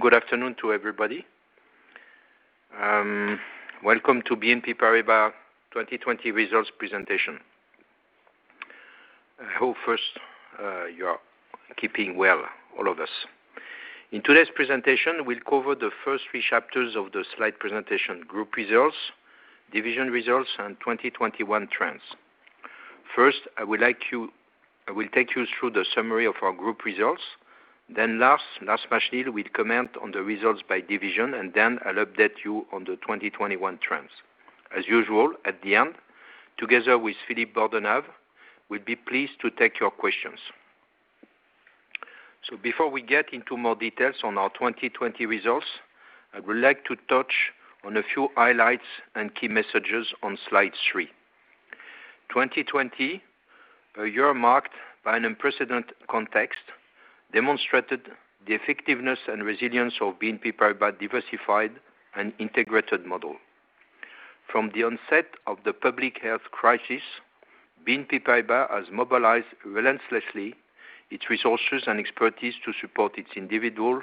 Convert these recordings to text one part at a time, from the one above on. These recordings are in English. Good afternoon to everybody. Welcome to BNP Paribas 2020 results presentation. I hope first you are keeping well, all of us. In today's presentation, we'll cover the first three chapters of the slide presentation, group results, division results, and 2021 trends. First, I will take you through the summary of our group results, then last but not least, we'll comment on the results by division, and then I'll update you on the 2021 trends. As usual, at the end, together with Philippe Bordenave, we'll be pleased to take your questions. Before we get into more details on our 2020 results, I would like to touch on a few highlights and key messages on slide 3. 2020, a year marked by an unprecedented context, demonstrated the effectiveness and resilience of BNP Paribas' diversified and integrated model. From the onset of the public health crisis, BNP Paribas has mobilized relentlessly its resources and expertise to support its individual,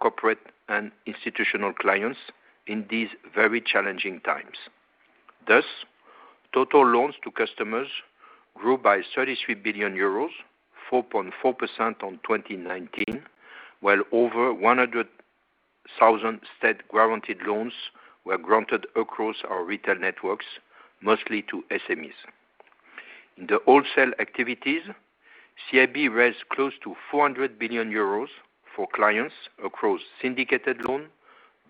corporate, and institutional clients in these very challenging times. Total loans to customers grew by 33 billion euros, 4.4% on 2019, while over 100,000 state-guaranteed loans were granted across our retail networks, mostly to SMEs. In the wholesale activities, CIB raised close to 400 billion euros for clients across syndicated loan,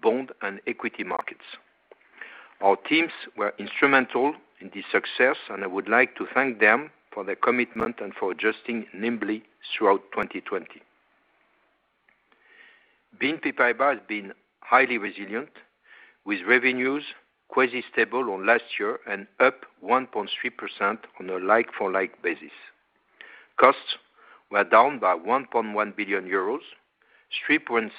bond, and equity markets. Our teams were instrumental in this success, and I would like to thank them for their commitment and for adjusting nimbly throughout 2020. BNP Paribas has been highly resilient, with revenues quite stable on last year and up 1.3% on a like-for-like basis. Costs were down by 1.1 billion euros, 3.3%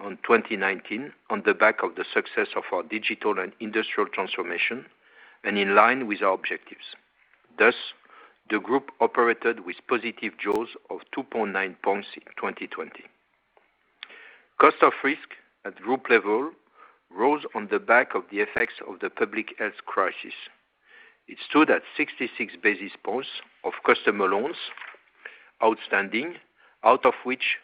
on 2019, on the back of the success of our digital and industrial transformation and in line with our objectives. The group operated with positive jaws of 2.9 points in 2020. Cost of risk at group level rose on the back of the effects of the public health crisis. It stood at 66 basis points of customer loans outstanding, out of which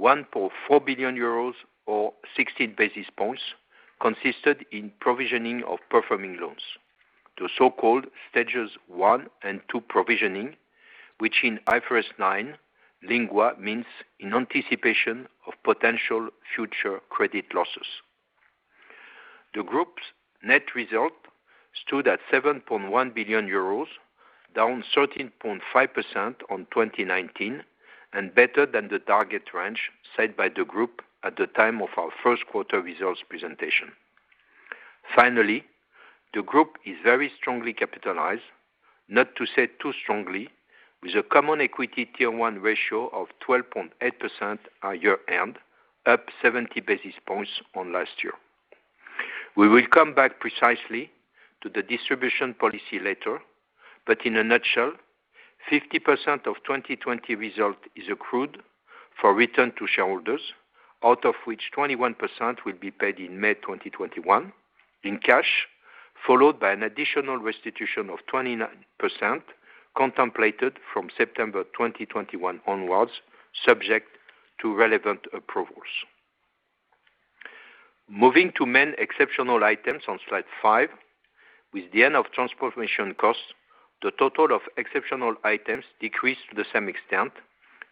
1.4 billion euros, or 60 basis points, consisted in provisioning of performing loans. The so-called stages 1 and 2 provisioning, which in IFRS 9 lingua means in anticipation of potential future credit losses. The group's net result stood at 7.1 billion euros, down 13.5% on 2019, and better than the target range set by the group at the time of our Q1 results presentation. Finally, the group is very strongly capitalized, not to say too strongly, with a Common Equity Tier 1 ratio of 12.8% at year-end, up 70 basis points on last year. We will come back precisely to the distribution policy later, but in a nutshell, 50% of 2020 result is accrued for return to shareholders, out of which 21% will be paid in May 2021 in cash, followed by an additional restitution of 29% contemplated from September 2021 onwards, subject to relevant approvals. Moving to main exceptional items on slide 5. With the end of transformation costs, the total of exceptional items decreased to the same extent,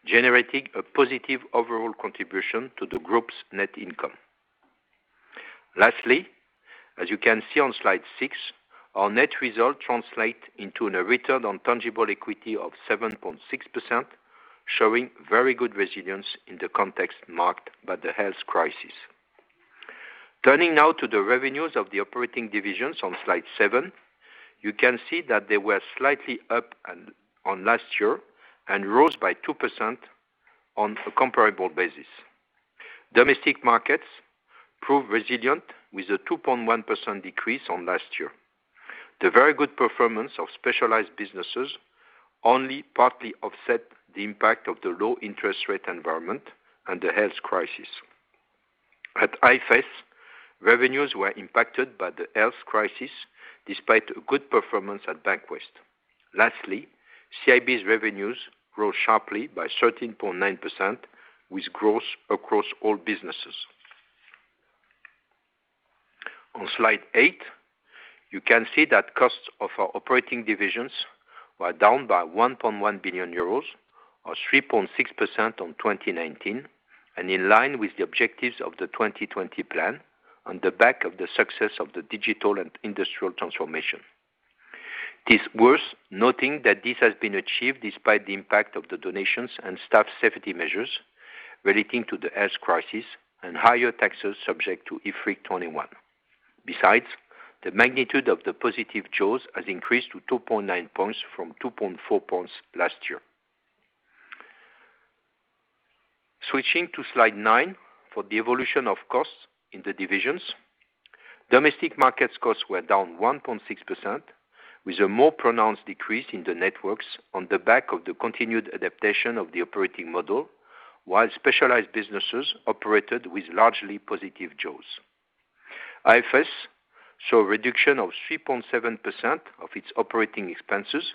generating a positive overall contribution to the group's net income. Lastly, as you can see on slide 6, our net results translate into a return on tangible equity of 7.6%, showing very good resilience in the context marked by the health crisis. Turning now to the revenues of the operating divisions on slide 7, you can see that they were slightly up on last year and rose by 2% on a comparable basis. Domestic markets proved resilient with a 2.1% decrease on last year. The very good performance of specialized businesses only partly offset the impact of the low interest rate environment and the health crisis. At IFS, revenues were impacted by the health crisis despite a good performance at BancWest. Lastly, CIB's revenues grew sharply by 13.9% with growth across all businesses. On slide 8, you can see that costs of our operating divisions were down by 1.1 billion euros, or 3.6% on 2019, and in line with the objectives of the 2020 plan on the back of the success of the digital and industrial transformation. It's worth noting that this has been achieved despite the impact of the donations and staff safety measures relating to the health crisis and higher taxes subject to IFRIC 21. Besides, the magnitude of the positive jaws has increased to 2.9 points from 2.4 points last year. Switching to slide 9 for the evolution of costs in the divisions. Domestic markets costs were down 1.6%, with a more pronounced decrease in the networks on the back of the continued adaptation of the operating model, while specialized businesses operated with largely positive jaws. IFS saw a reduction of 3.7% of its operating expenses,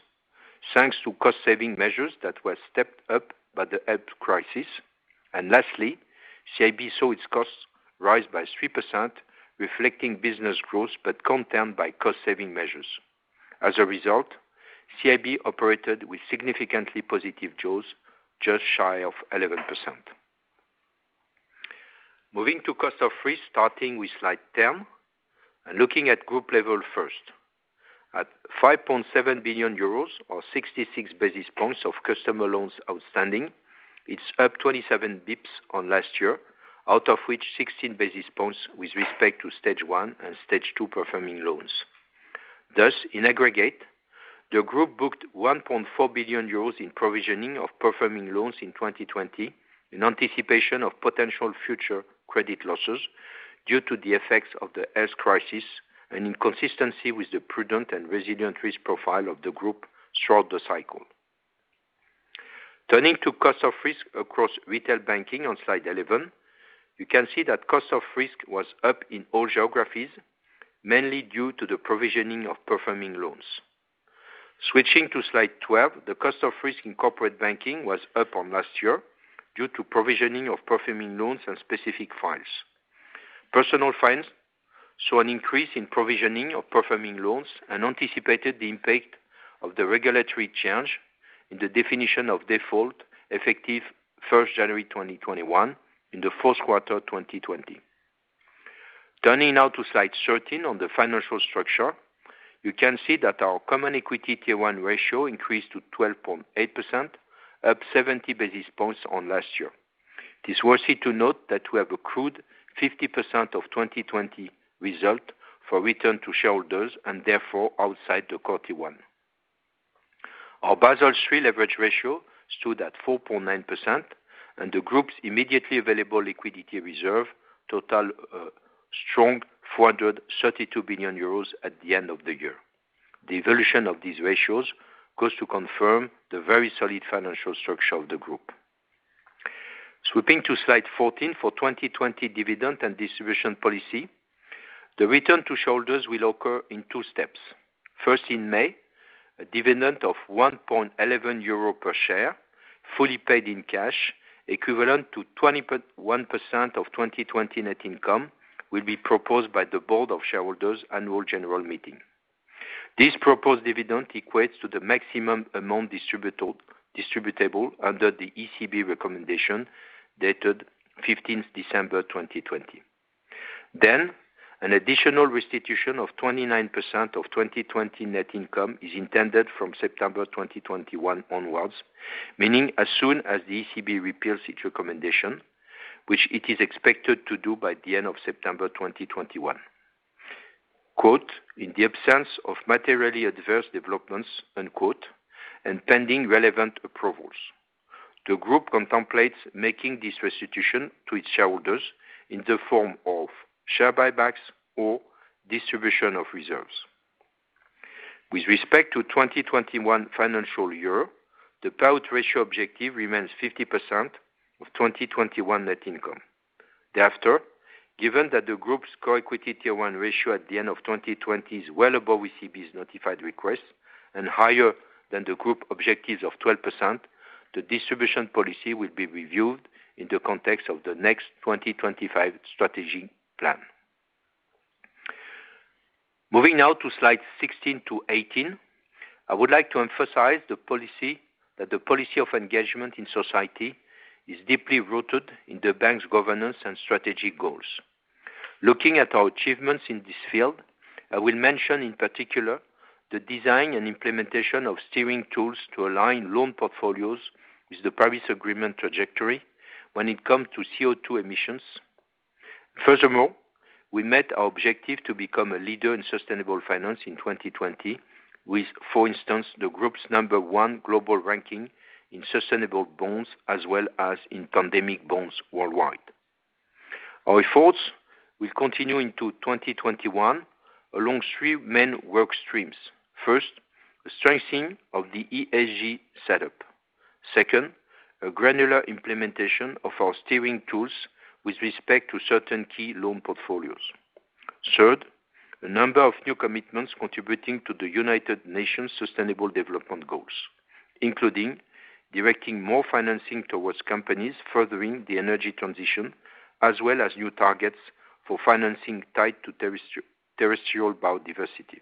thanks to cost-saving measures that were stepped up by the health crisis. Lastly, CIB saw its costs rise by 3%, reflecting business growth, but contained by cost-saving measures. As a result, CIB operated with significantly positive jaws, just shy of 11%. Moving to cost of risk, starting with slide 10, and looking at group level first. At 5.7 billion euros, or 66 basis points of customer loans outstanding, it's up 27 basis points on last year, out of which 16 basis points with respect to Stage 1 and Stage 2 performing loans. In aggregate, the group booked 1.4 billion euros in provisioning of performing loans in 2020 in anticipation of potential future credit losses due to the effects of the health crisis, and in consistency with the prudent and resilient risk profile of the group throughout the cycle. Turning to cost of risk across retail banking on slide 11, you can see that cost of risk was up in all geographies, mainly due to the provisioning of performing loans. Switching to slide 12, the cost of risk in Corporate Banking was up on last year due to provisioning of performing loans and specific fines. Personal Finance saw an increase in provisioning of performing loans and anticipated the impact of the regulatory change in the definition of default effective January 1st, 2021 in the Q4 2020. Turning now to slide 13 on the financial structure, you can see that our Common Equity Tier 1 ratio increased to 12.8%, up 70 basis points on last year. It is worthy to note that we have accrued 50% of 2020 result for return to shareholders, and therefore, outside the Core Tier 1. Our Basel 3 leverage ratio stood at 4.9%, and the group's immediately available liquidity reserve total a strong 432 billion euros at the end of the year. The evolution of these ratios goes to confirm the very solid financial structure of the group. Swiping to slide 14 for 2020 dividend and distribution policy, the return to shareholders will occur in two steps. In May, a dividend of 1.11 euro per share, fully paid in cash, equivalent to 21% of 2020 net income, will be proposed by the board of shareholders' annual general meeting. This proposed dividend equates to the maximum amount distributable under the ECB recommendation dated December 15th, 2020. An additional restitution of 29% of 2020 net income is intended from September 2021 onwards, meaning as soon as the ECB repeals its recommendation, which it is expected to do by the end of September 2021. "In the absence of materially adverse developments" and pending relevant approvals. The group contemplates making this restitution to its shareholders in the form of share buybacks or distribution of reserves. With respect to 2021 financial year, the payout ratio objective remains 50% of 2021 net income. Thereafter, given that the group's Common Equity Tier 1 ratio at the end of 2020 is well above ECB's notified request and higher than the group objectives of 12%, the distribution policy will be reviewed in the context of the next 2025 strategy plan. Moving now to slides 16 to 18, I would like to emphasize that the policy of engagement in society is deeply rooted in the bank's governance and strategy goals. Looking at our achievements in this field, I will mention in particular the design and implementation of steering tools to align loan portfolios with the Paris Agreement trajectory when it comes to CO2 emissions. Furthermore, we met our objective to become a leader in sustainable finance in 2020 with, for instance, the group's number one global ranking in sustainable bonds as well as in pandemic bonds worldwide. Our efforts will continue into 2021 along three main work streams. First, the strengthening of the ESG setup. Second, a granular implementation of our steering tools with respect to certain key loan portfolios. Third, a number of new commitments contributing to the United Nations Sustainable Development Goals, including directing more financing towards companies, furthering the energy transition, as well as new targets for financing tied to terrestrial biodiversity.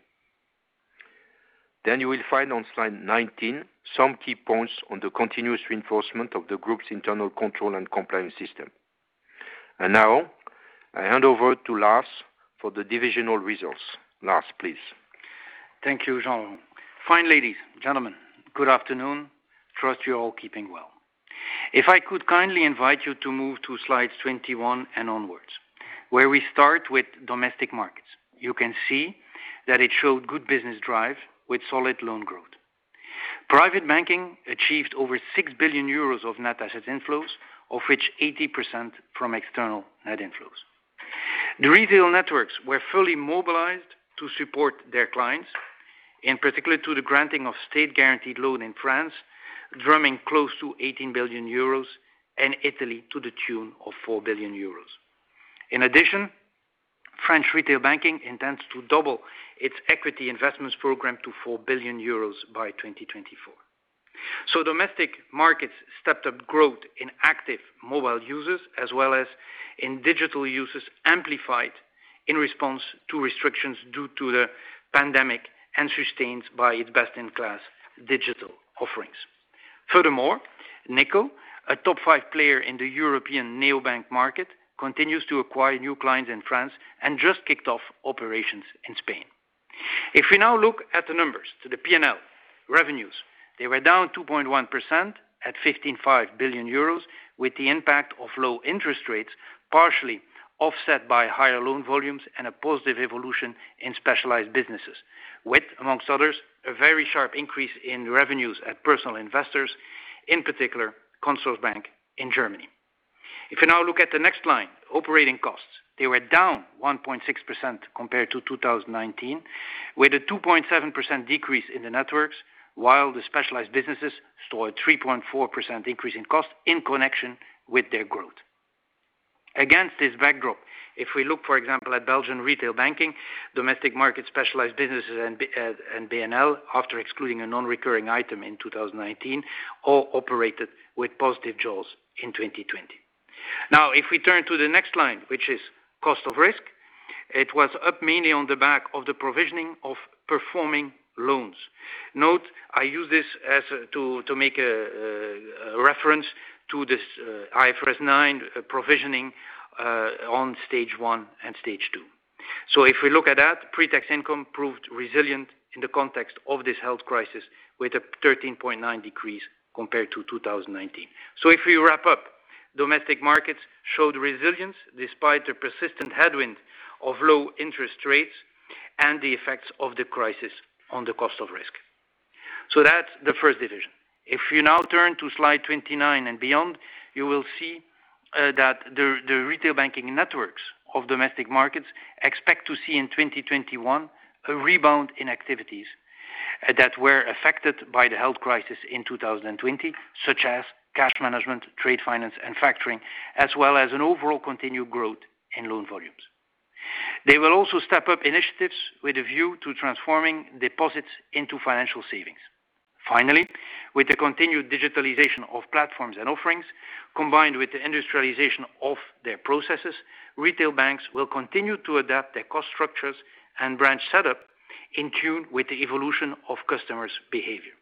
You will find on slide 19 some key points on the continuous reinforcement of the group's internal control and compliance system. Now, I hand over to Lars for the divisional results. Lars, please. Thank you, Jean-Laurent. Fine ladies, gentlemen, good afternoon. Trust you're all keeping well. If I could kindly invite you to move to slides 21 and onwards, where we start with domestic markets. You can see that it showed good business drive with solid loan growth. Private banking achieved over 6 billion euros of net asset inflows, of which 80% from external net inflows. The retail networks were fully mobilized to support their clients, in particular to the granting of state-guaranteed loan in France, drumming close to 18 billion euros, and Italy to the tune of 4 billion euros. In addition, French retail banking intends to double its equity investments program to 4 billion euros by 2024. Domestic markets stepped up growth in active mobile users as well as in digital users, amplified in response to restrictions due to the pandemic and sustained by its best-in-class digital offerings. Furthermore, Nickel, a top five player in the European neo bank market, continues to acquire new clients in France and just kicked off operations in Spain. If we now look at the numbers to the P&L revenues, they were down 2.1% at 15.5 billion euros, with the impact of low interest rates partially offset by higher loan volumes and a positive evolution in specialized businesses, with, amongst others, a very sharp increase in revenues at Personal Investors, in particular Consorsbank in Germany. If you now look at the next line, operating costs, they were down 1.6% compared to 2019, with a 2.7% decrease in the networks, while the specialized businesses saw a 3.4% increase in cost in connection with their growth. Against this backdrop, if we look, for example, at Belgian retail banking, domestic markets, specialized businesses, and BNL, after excluding a non-recurring item in 2019, all operated with positive jaws in 2020. If we turn to the next line, which is cost of risk, it was up mainly on the back of the provisioning of performing loans. Note, I use this to make a reference to this IFRS 9 provisioning on Stage 1 and Stage 2. If we look at that, pre-tax income proved resilient in the context of this health crisis with a 13.9 decrease compared to 2019. If we wrap up, domestic markets showed resilience despite the persistent headwind of low interest rates and the effects of the crisis on the cost of risk. That's the first division. If you now turn to slide 29 and beyond, you will see that the retail banking networks of domestic markets expect to see in 2021 a rebound in activities that were affected by the health crisis in 2020, such as cash management, trade finance, and factoring, as well as an overall continued growth in loan volumes. They will also step up initiatives with a view to transforming deposits into financial savings. Finally, with the continued digitalization of platforms and offerings, combined with the industrialization of their processes, retail banks will continue to adapt their cost structures and branch setup in tune with the evolution of customers' behavior.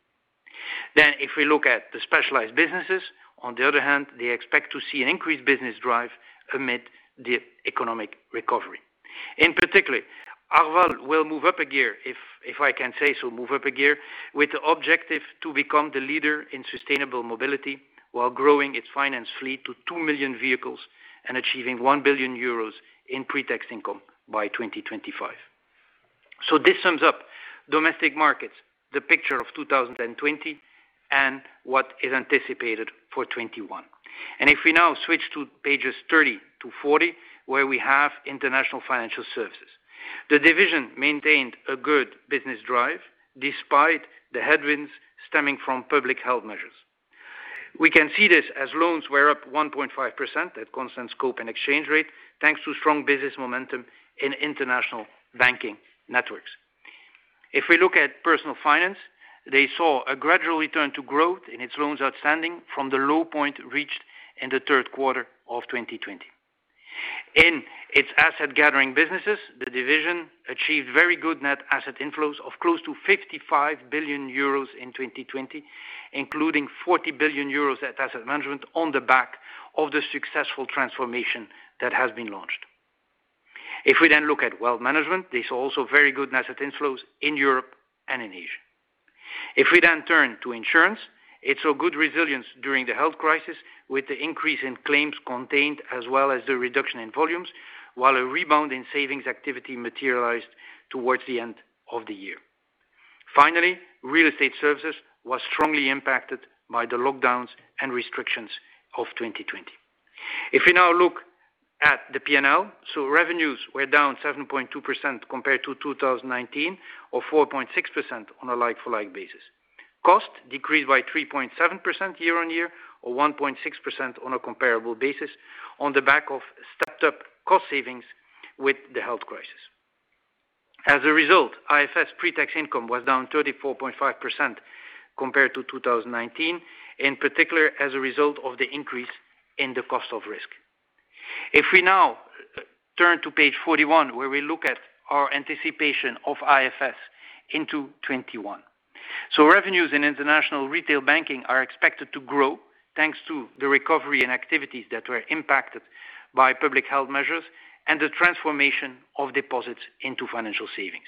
If we look at the specialized businesses, on the other hand, they expect to see an increased business drive amid the economic recovery. In particular, Arval will move up a gear, if I can say so, move up a gear, with the objective to become the leader in sustainable mobility while growing its finance fleet to 2 million vehicles and achieving 1 billion euros in pre-tax income by 2025. This sums up domestic markets, the picture of 2020, and what is anticipated for 2021. If we now switch to pages 30 to 40, where we have International Financial Services. The division maintained a good business drive despite the headwinds stemming from public health measures. We can see this as loans were up 1.5% at constant scope and exchange rate, thanks to strong business momentum in international banking networks. If we look at Personal Finance, they saw a gradual return to growth in its loans outstanding from the low point reached in the Q3 of 2020. In its asset gathering businesses, the division achieved very good net asset inflows of close to 55 billion euros in 2020, including 40 billion euros at asset management on the back of the successful transformation that has been launched. We then look at wealth management, they saw also very good asset inflows in Europe and in Asia. We then turn to insurance, it saw good resilience during the health crisis, with the increase in claims contained as well as the reduction in volumes, while a rebound in savings activity materialized towards the end of the year. Real estate services was strongly impacted by the lockdowns and restrictions of 2020. We now look at the P&L, revenues were down 7.2% compared to 2019 or 4.6% on a like-for-like basis. Cost decreased by 3.7% year-on-year or 1.6% on a comparable basis on the back of stepped-up cost savings with the health crisis. As a result, IFRS pre-tax income was down 34.5% compared to 2019, in particular, as a result of the increase in the cost of risk. If we now turn to page 41, where we look at our anticipation of IFRS into 2021. Revenues in international retail banking are expected to grow thanks to the recovery in activities that were impacted by public health measures and the transformation of deposits into financial savings.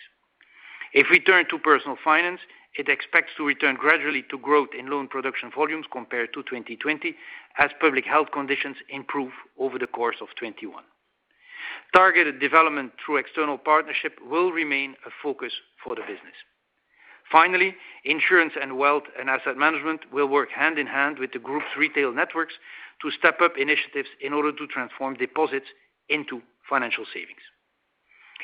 If we turn to Personal Finance, it expects to return gradually to growth in loan production volumes compared to 2020, as public health conditions improve over the course of 2021. Targeted development through external partnership will remain a focus for the business. Finally, insurance and Wealth and Asset Management will work hand in hand with the group's retail networks to step up initiatives in order to transform deposits into financial savings.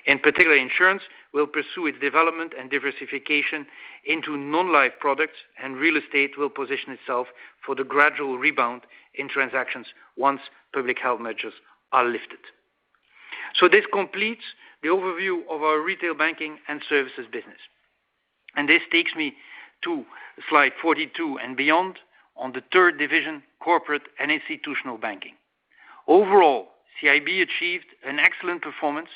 In particular, insurance will pursue its development and diversification into non-life products, and real estate will position itself for the gradual rebound in transactions once public health measures are lifted. This completes the overview of our retail banking and services business. This takes me to slide 42 and beyond on the third division, Corporate and Institutional Banking. Overall, CIB achieved an excellent performance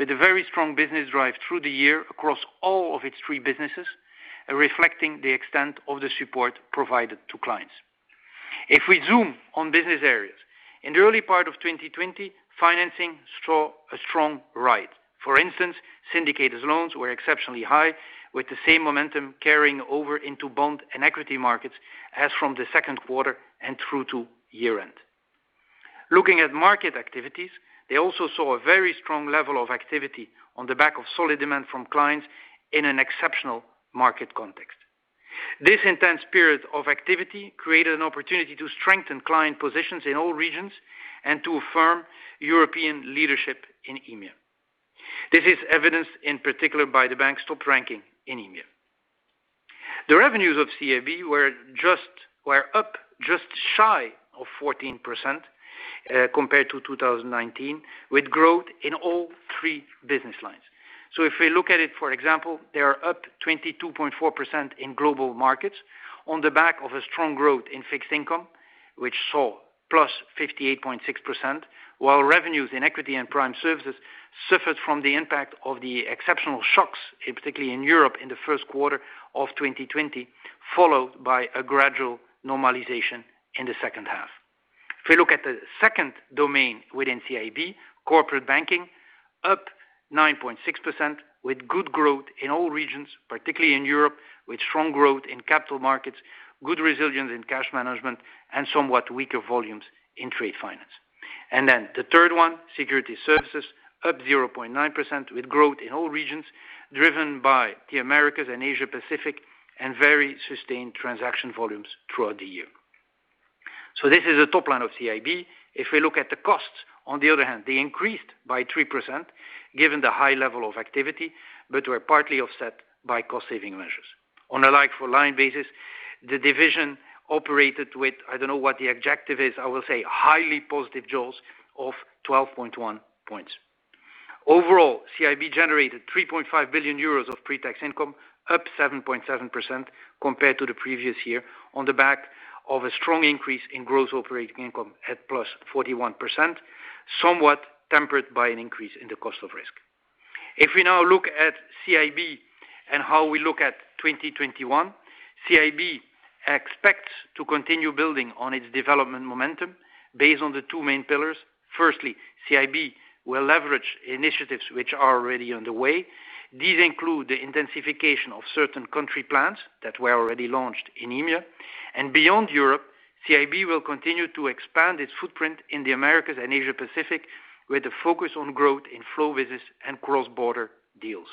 with a very strong business drive through the year across all of its three businesses, reflecting the extent of the support provided to clients. If we zoom on business areas, in the early part of 2020, financing saw a strong ride. For instance, syndicated loans were exceptionally high, with the same momentum carrying over into bond and equity markets as from the Q2 and through to year-end. Looking at market activities, they also saw a very strong level of activity on the back of solid demand from clients in an exceptional market context. This intense period of activity created an opportunity to strengthen client positions in all regions and to affirm European leadership in EMEA. This is evidenced in particular by the bank's top ranking in EMEA. The revenues of CIB were up just shy of 14% compared to 2019, with growth in all three business lines. If we look at it, for example, they are up 22.4% in Global Markets on the back of a strong growth in fixed income, which saw +58.6%, while revenues in Equity and Prime Services suffered from the impact of the exceptional shocks, particularly in Europe in the Q1 of 2020, followed by a gradual normalization in the second half. If we look at the second domain within CIB, Corporate Banking, up 9.6% with good growth in all regions, particularly in Europe, with strong growth in capital markets, good resilience in cash management, and somewhat weaker volumes in trade finance. The third one, Securities Services, up 0.9% with growth in all regions, driven by the Americas and Asia Pacific and very sustained transaction volumes throughout the year. This is the top line of CIB. If we look at the costs, on the other hand, they increased by 3% given the high level of activity, but were partly offset by cost-saving measures. On a like-for-like basis, the division operated with, I don't know what the objective is, I will say highly positive jaws of 12.1 points. Overall, CIB generated 3.5 billion euros of pre-tax income, up 7.7% compared to the previous year on the back of a strong increase in gross operating income at plus 41%, somewhat tempered by an increase in the cost of risk. If we now look at CIB and how we look at 2021, CIB expects to continue building on its development momentum based on the two main pillars. Firstly, CIB will leverage initiatives which are already underway. These include the intensification of certain country plans that were already launched in EMEA. Beyond Europe, CIB will continue to expand its footprint in the Americas and Asia Pacific, with a focus on growth in flow business and cross-border deals.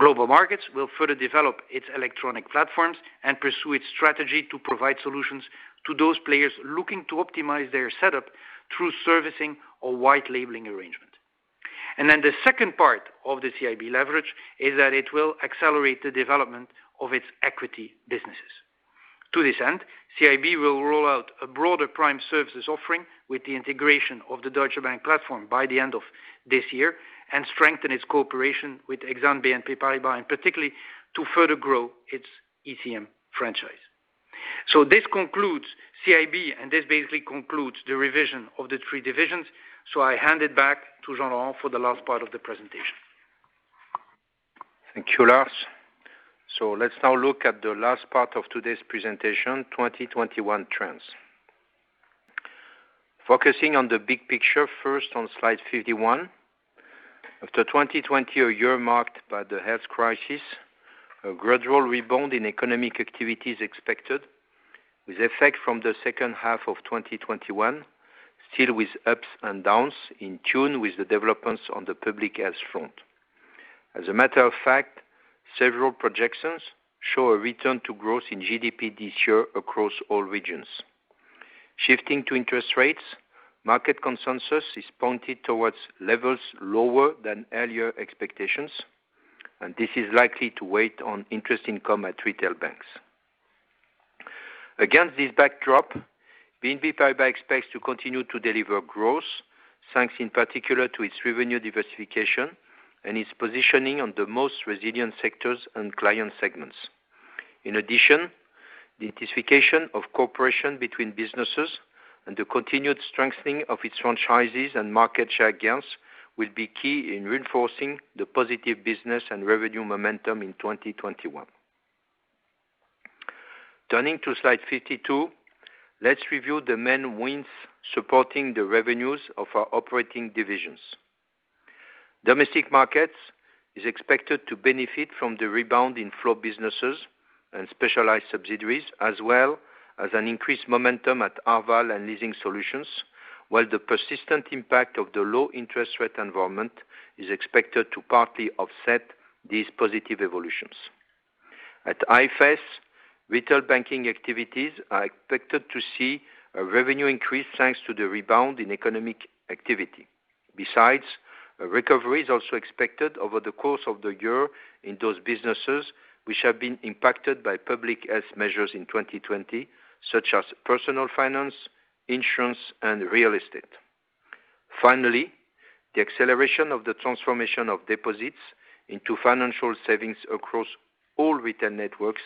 Global Markets will further develop its electronic platforms and pursue its strategy to provide solutions to those players looking to optimize their setup through servicing or white labeling arrangement. The second part of the CIB leverage is that it will accelerate the development of its equity businesses. To this end, CIB will roll out a broader prime services offering with the integration of the Deutsche Bank platform by the end of this year and strengthen its cooperation with Exane BNP Paribas, and particularly to further grow its ECM franchise. This concludes CIB, and this basically concludes the revision of the three divisions. I hand it back to Jean-Laurent for the last part of the presentation. Thank you, Lars. Let's now look at the last part of today's presentation, 2021 trends. Focusing on the big picture first on slide 51. After 2020, a year marked by the health crisis, a gradual rebound in economic activity is expected, with effect from the H2 of 2021, still with ups and downs in tune with the developments on the public health front. As a matter of fact, several projections show a return to growth in GDP this year across all regions. Shifting to interest rates, market consensus is pointed towards levels lower than earlier expectations, this is likely to wait on interest income at retail banks. Against this backdrop, BNP Paribas expects to continue to deliver growth, thanks in particular to its revenue diversification and its positioning on the most resilient sectors and client segments. The intensification of cooperation between businesses and the continued strengthening of its franchises and market share gains will be key in reinforcing the positive business and revenue momentum in 2021. Turning to slide 52, let's review the main wins supporting the revenues of our operating divisions. Domestic markets is expected to benefit from the rebound in flow businesses and specialized subsidiaries, as well as an increased momentum at Arval and Leasing Solutions, while the persistent impact of the low interest rate environment is expected to partly offset these positive evolutions. At IFS, retail banking activities are expected to see a revenue increase thanks to the rebound in economic activity. A recovery is also expected over the course of the year in those businesses which have been impacted by public health measures in 2020, such as Personal Finance, insurance, and real estate. The acceleration of the transformation of deposits into financial savings across all retail networks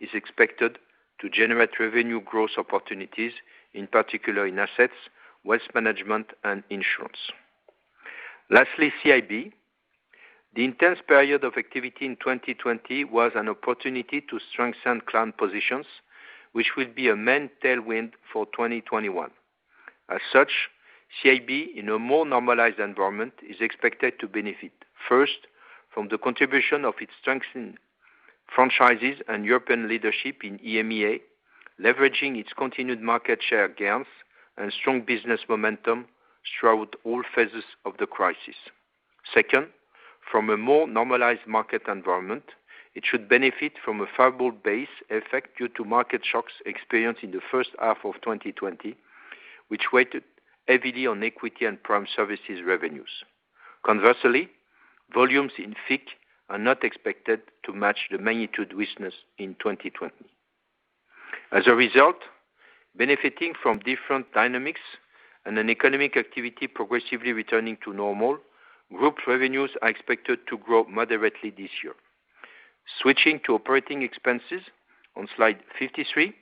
is expected to generate revenue growth opportunities, in particular in asset/wealth management, and insurance. CIB. The intense period of activity in 2020 was an opportunity to strengthen client positions, which will be a main tailwind for 2021. CIB, in a more normalized environment, is expected to benefit, first from the contribution of its strengthened franchises and European leadership in EMEA, leveraging its continued market share gains and strong business momentum throughout all phases of the crisis. Second, from a more normalized market environment, it should benefit from a favorable base effect due to market shocks experienced in the H1 of 2020, which weighed heavily on Equity and Prime Services revenues. Conversely, volumes in FICC are not expected to match the magnitude we witnessed in 2020. As a result, benefiting from different dynamics and an economic activity progressively returning to normal, group revenues are expected to grow moderately this year. Switching to operating expenses on slide 53,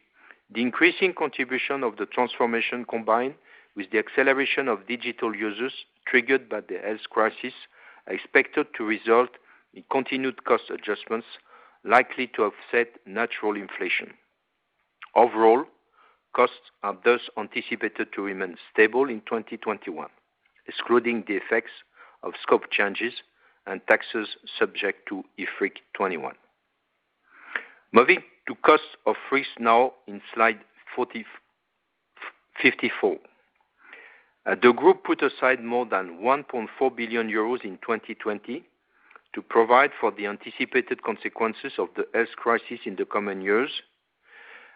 the increasing contribution of the transformation, combined with the acceleration of digital users triggered by the health crisis, are expected to result in continued cost adjustments likely to offset natural inflation. Overall, costs are thus anticipated to remain stable in 2021, excluding the effects of scope changes and taxes subject to IFRIC 21. Moving to cost of risk now in slide 54. The group put aside more than 1.4 billion euros in 2020 to provide for the anticipated consequences of the health crisis in the coming years.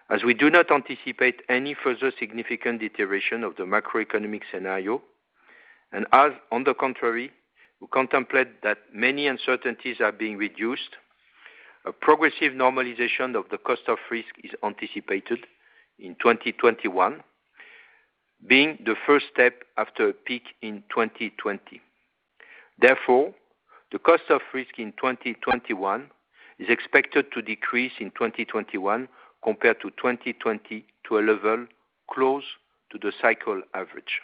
As we do not anticipate any further significant deterioration of the macroeconomic scenario, and as on the contrary, we contemplate that many uncertainties are being reduced, a progressive normalization of the cost of risk is anticipated in 2021, being the first step after a peak in 2020. Therefore, the cost of risk in 2021 is expected to decrease in 2021 compared to 2020 to a level close to the cycle average.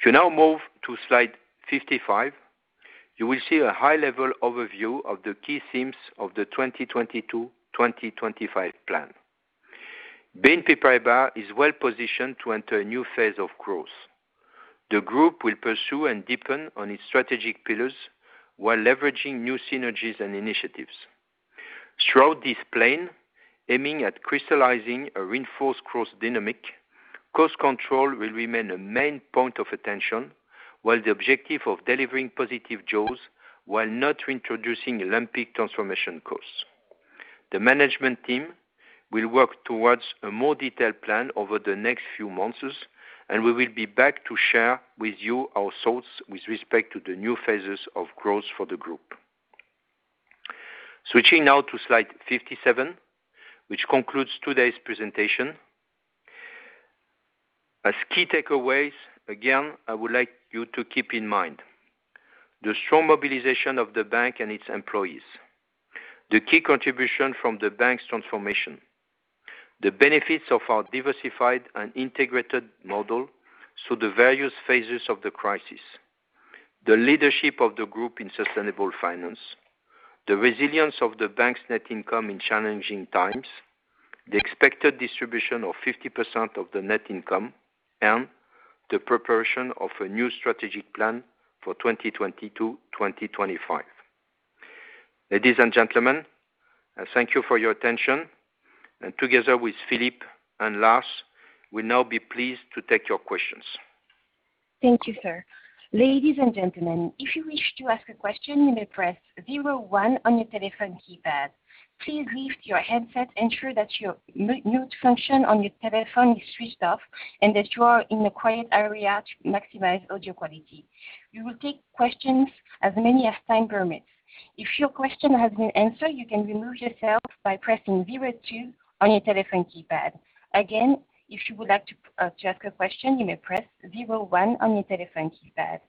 If you now move to slide 55, you will see a high-level overview of the key themes of the 2022/2025 plan. BNP Paribas is well positioned to enter a new phase of growth. The group will pursue and deepen on its strategic pillars while leveraging new synergies and initiatives. Throughout this plan, aiming at crystallizing a reinforced growth dynamic, cost control will remain a main point of attention, while the objective of delivering positive jaws while not introducing lumpy transformation costs. The management team will work towards a more detailed plan over the next few months, and we will be back to share with you our thoughts with respect to the new phases of growth for the group. Switching now to slide 57, which concludes today's presentation. As key takeaways, again, I would like you to keep in mind the strong mobilization of the bank and its employees, the key contribution from the bank's transformation, the benefits of our diversified and integrated model through the various phases of the crisis, the leadership of the group in sustainable finance, the resilience of the bank's net income in challenging times, the expected distribution of 50% of the net income, and the preparation of a new strategic plan for 2022/2025. Ladies and gentlemen, thank you for your attention, and together with Philippe and Lars, we'll now be pleased to take your questions. Thank you, sir. Ladies and gentlemen, if you wish to ask a question, you may press zero one on your telephone keypad. Please lift your headset, ensure that your mute function on your telephone is switched off, and that you are in a quiet area to maximize audio quality. We will take questions as many as time permits. If your question has been answered, you can remove yourself by pressing zero two on your telephone keypad. If you would like to ask a question, you may press zero one on your telephone keypad.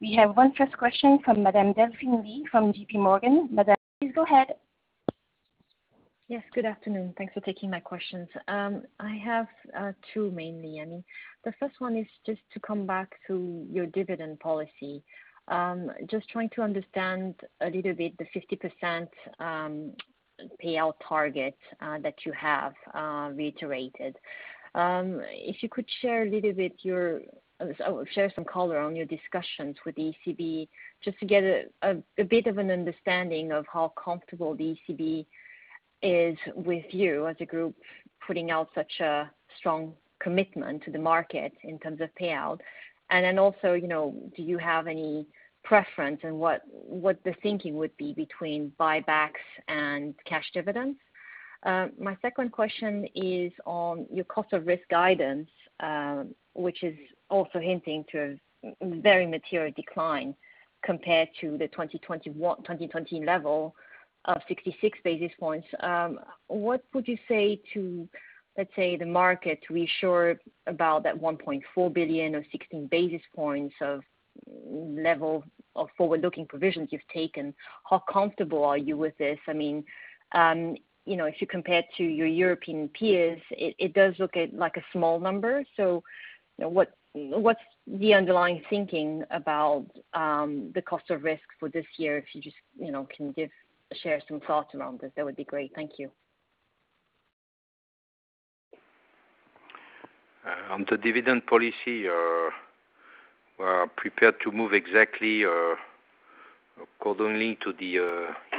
We have one first question from Madame Delphine Lee from JPMorgan. Madame, please go ahead. Yes. Good afternoon. Thanks for taking my questions. I have two mainly. The first one is just to come back to your dividend policy. Just trying to understand a little bit the 50% payout target that you have reiterated. If you could share some color on your discussions with ECB, just to get a bit of an understanding of how comfortable the ECB is with you as a group, putting out such a strong commitment to the market in terms of payout. Do you have any preference in what the thinking would be between buybacks and cash dividends? My second question is on your cost of risk guidance, which is also hinting to a very material decline compared to the 2020 level of 66 basis points. What would you say to, let's say, the market to reassure about that 1.4 billion or 60 basis points of level of forward-looking provisions you've taken? How comfortable are you with this? If you compare to your European peers, it does look like a small number. What's the underlying thinking about the cost of risk for this year? If you just can share some thoughts around this, that would be great. Thank you. On the dividend policy, we are prepared to move exactly according to the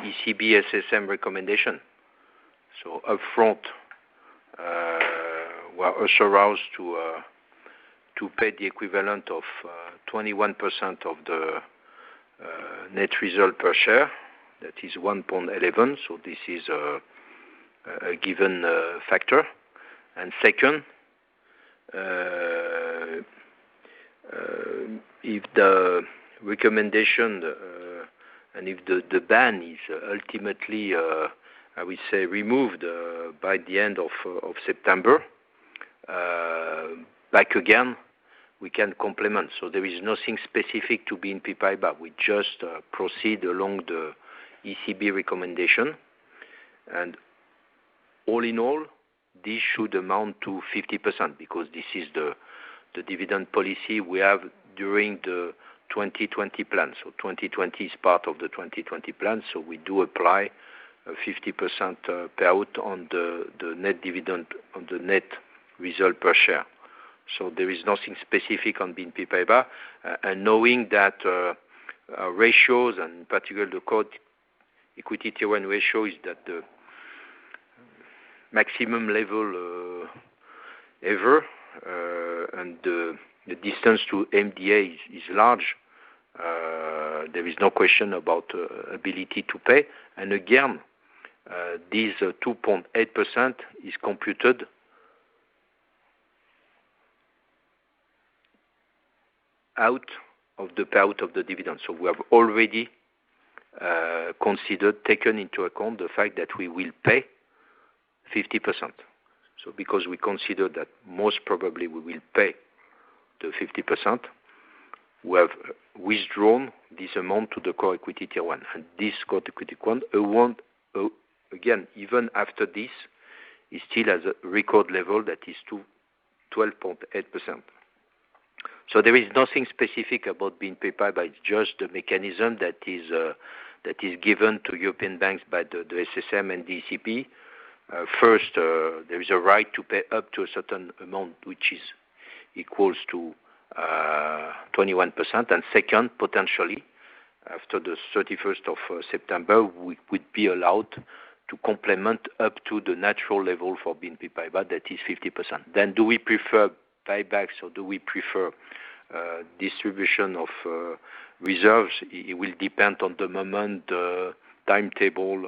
ECB SSM recommendation. Upfront, we are allowed to pay the equivalent of 21% of the net result per share. That is 1.11. This is a given factor. Second, if the recommendation, and if the ban is ultimately, I would say, removed by the end of September, back again, we can complement. There is nothing specific to BNP Paribas. We just proceed along the ECB recommendation. All in all, this should amount to 50% because this is the dividend policy we have during the 2020 plan. 2020 is part of the 2020 plan. We do apply a 50% payout on the net dividend on the net result per share. There is nothing specific on BNP Paribas. Knowing that ratios and particularly the Common Equity Tier 1 ratio is at the maximum level ever, and the distance to MDA is large. There is no question about ability to pay. Again, this 12.8% is computed out of the payout of the dividend. We have already considered, taken into account the fact that we will pay 50%. Because we consider that most probably we will pay the 50%, we have withdrawn this amount to the Common Equity Tier 1. This Common Equity Tier 1, again, even after this, is still at a record level that is 12.8%. There is nothing specific about BNP Paribas. It's just the mechanism that is given to European banks by the SSM and DCP. First, there is a right to pay up to a certain amount, which is equals to 21%. Second, potentially, after the 31st of September, we would be allowed to complement up to the natural level for BNP Paribas, that is 50%. Do we prefer buybacks or do we prefer distribution of reserves? It will depend on the moment, the timetable.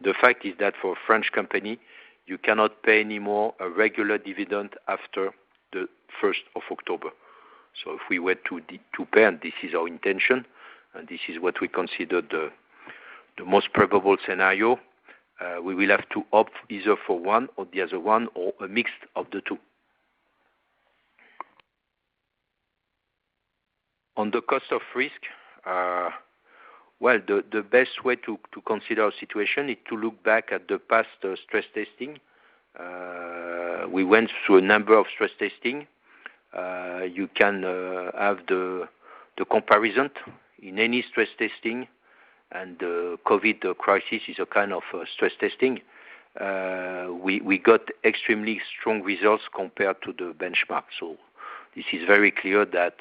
The fact is that for a French company, you cannot pay any more a regular dividend after October 1st. If we were to pay, and this is our intention, and this is what we consider the most probable scenario, we will have to opt either for one or the other one, or a mix of the two. On the cost of risk, well, the best way to consider our situation is to look back at the past stress testing. We went through a number of stress testing. You can have the comparison in any stress testing. The COVID crisis is a kind of stress testing. We got extremely strong results compared to the benchmark. This is very clear that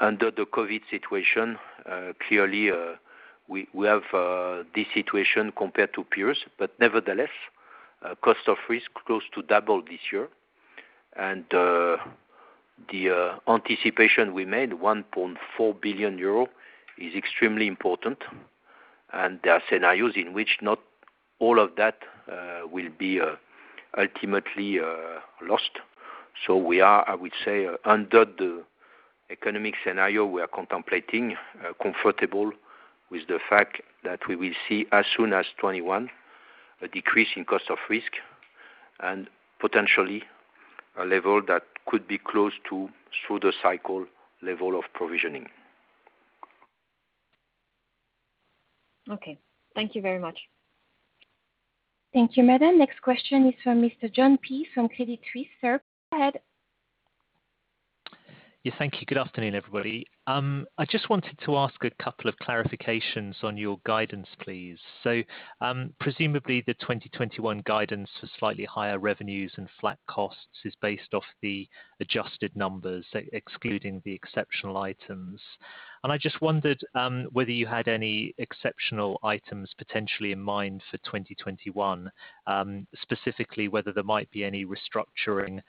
under the COVID situation, clearly, we have this situation compared to peers, but nevertheless, cost of risk close to double this year. The anticipation we made, 1.4 billion euro, is extremely important, and there are scenarios in which not all of that will be ultimately lost. We are, I would say, under the economic scenario we are contemplating, comfortable with the fact that we will see as soon as 2021, a decrease in cost of risk, and potentially a level that could be close to through-the-cycle level of provisioning. Okay. Thank you very much. Thank you, madam. Next question is from Mr. Jon Peace from Credit Suisse. Sir, go ahead. Thank you. Good afternoon, everybody. I just wanted to ask a couple of clarifications on your guidance, please. Presumably the 2021 guidance for slightly higher revenues and flat costs is based off the adjusted numbers, excluding the exceptional items. I just wondered whether you had any exceptional items potentially in mind for 2021, specifically whether there might be any restructuring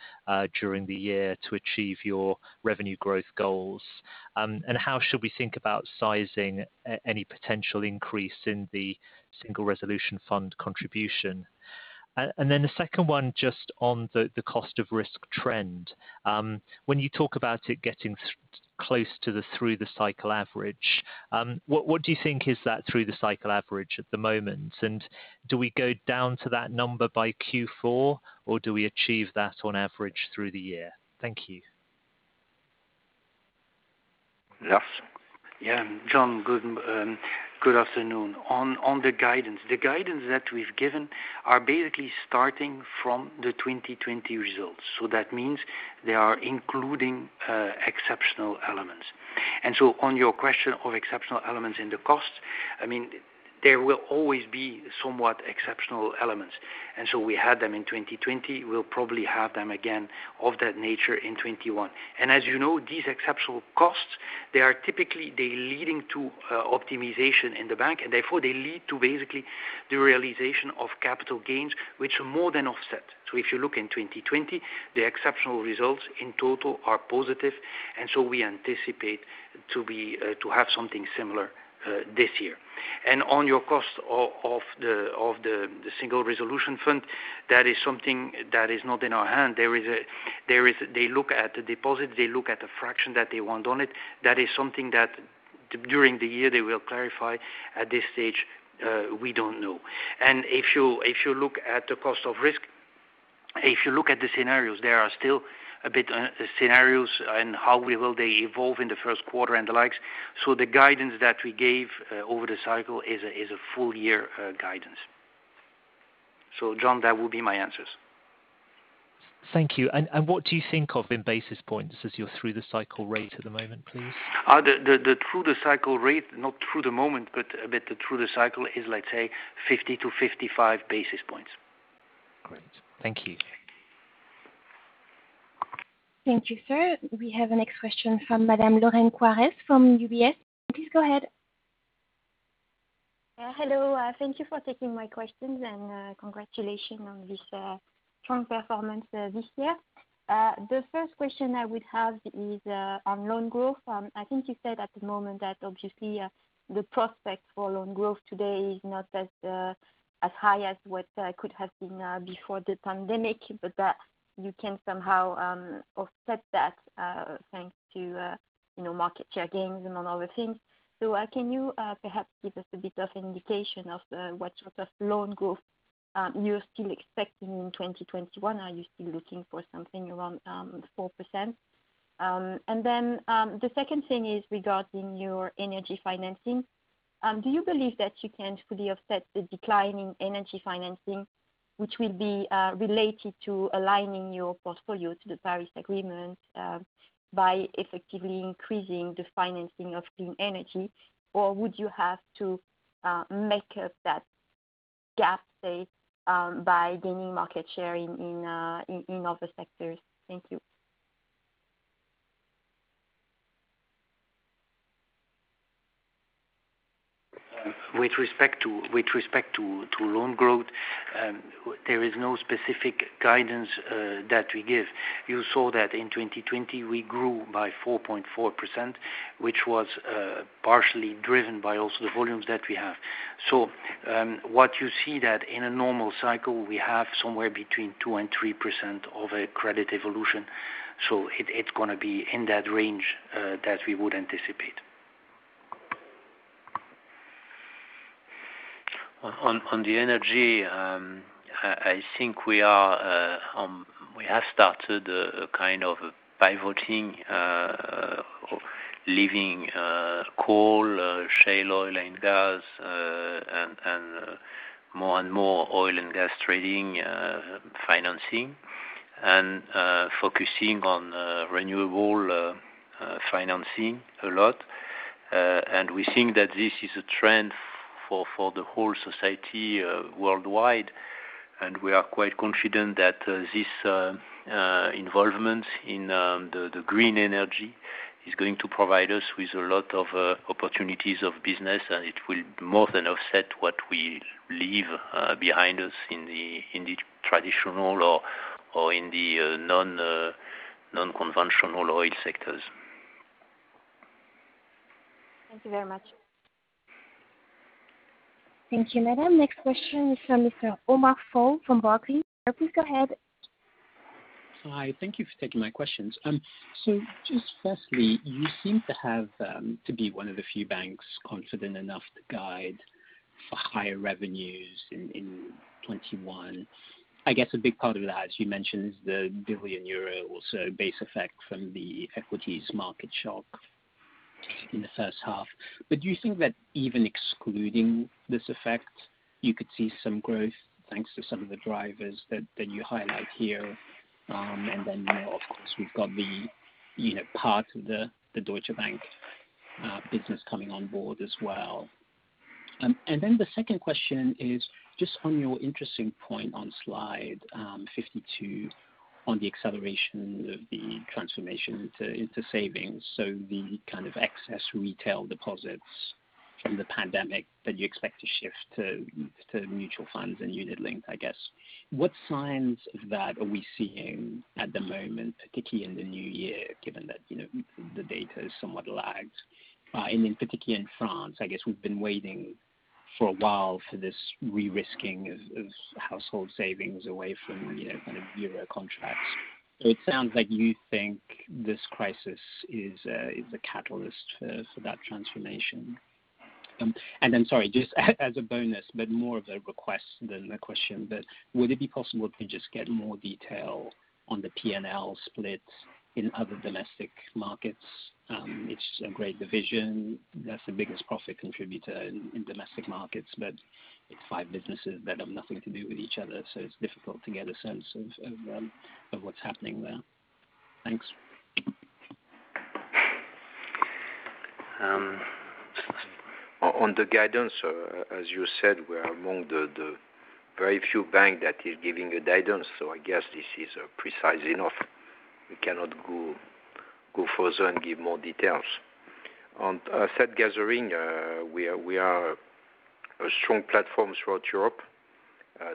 during the year to achieve your revenue growth goals. How should we think about sizing any potential increase in the Single Resolution Fund contribution? The second one, just on the cost of risk trend. When you talk about it getting close to the through-the-cycle average, what do you think is that through-the-cycle average at the moment? Do we go down to that number by Q4, or do we achieve that on average through the year? Thank you. Yeah. Jon, good afternoon. On the guidance, the guidance that we've given are basically starting from the 2020 results. That means they are including exceptional elements. On your question of exceptional elements in the cost, there will always be somewhat exceptional elements. We had them in 2020, we'll probably have them again of that nature in 2021. As you know, these exceptional costs, they are typically leading to optimization in the bank, and therefore, they lead to basically the realization of capital gains, which more than offset. If you look in 2020, the exceptional results in total are positive, we anticipate to have something similar this year. On your cost of the Single Resolution Fund, that is something that is not in our hand. They look at the deposit, they look at the fraction that they want on it. That is something that, during the year, they will clarify. At this stage, we don't know. If you look at the cost of risk, if you look at the scenarios, there are still a bit scenarios on how will they evolve in the Q1 and the likes. The guidance that we gave over the cycle is a full-year guidance. Jon, that would be my answers. Thank you. What do you think of in basis points as your through-the-cycle rate at the moment, please? The through-the-cycle rate, not through the moment, but a bit through the cycle is, let's say 50-55 basis points. Great. Thank you. Thank you, sir. We have the next question from Madame Lorraine Quoirez from UBS. Please go ahead. Hello, thank you for taking my questions and congratulations on this strong performance this year. The first question I would have is on loan growth. I think you said at the moment that obviously the prospect for loan growth today is not as high as what could have been before the pandemic, but that you can somehow offset that thanks to market share gains among other things. Can you perhaps give us a bit of indication of what sort of loan growth you're still expecting in 2021? Are you still looking for something around 4%? The second thing is regarding your energy financing. Do you believe that you can fully offset the decline in energy financing, which will be related to aligning your portfolio to the Paris Agreement, by effectively increasing the financing of clean energy? Would you have to make up that gap, say, by gaining market share in other sectors? Thank you. With respect to loan growth, there is no specific guidance that we give. You saw that in 2020, we grew by 4.4%, which was partially driven by also the volumes that we have. What you see that in a normal cycle, we have somewhere between 2% and 3% of a credit evolution. It's going to be in that range that we would anticipate. On the energy, I think we have started a kind of pivoting, leaving coal, shale oil and gas, and more and more oil and gas trading financing, and focusing on renewable financing a lot. We think that this is a trend for the whole society worldwide, and we are quite confident that this involvement in the green energy is going to provide us with a lot of opportunities of business, and it will more than offset what we leave behind us in the traditional or in the non-conventional oil sectors. Thank you very much. Thank you, madame. Next question is from Mr. Omar Fall from Barclays. Please go ahead. Hi. Thank you for taking my questions. Just firstly, you seem to be one of the few banks confident enough to guide for higher revenues in 2021. I guess a big part of that, as you mentioned, is the 1 billion euro or so base effect from the equities market shock in the H1. Do you think that even excluding this effect, you could see some growth thanks to some of the drivers that you highlight here? Then of course, we've got the part of the Deutsche Bank business coming on board as well. Then the second question is just on your interesting point on slide 52 on the acceleration of the transformation into savings. The kind of excess retail deposits from the pandemic that you expect to shift to mutual funds and unit link, I guess. What signs of that are we seeing at the moment, particularly in the new year, given that the data is somewhat lagged, and in particular in France? I guess we've been waiting for a while for this re-risking of household savings away from kind of Euro contracts. It sounds like you think this crisis is a catalyst for that transformation. Sorry, just as a bonus, but more of a request than a question, but would it be possible to just get more detail on the P&L splits in other domestic markets? It's a great division. That's the biggest profit contributor in domestic markets, but it's five businesses that have nothing to do with each other, so it's difficult to get a sense of what's happening there. Thanks. On the guidance, as you said, we're among the very few bank that is giving a guidance, so I guess this is precise enough. We cannot go further and give more details. On asset gathering, we are a strong platform throughout Europe.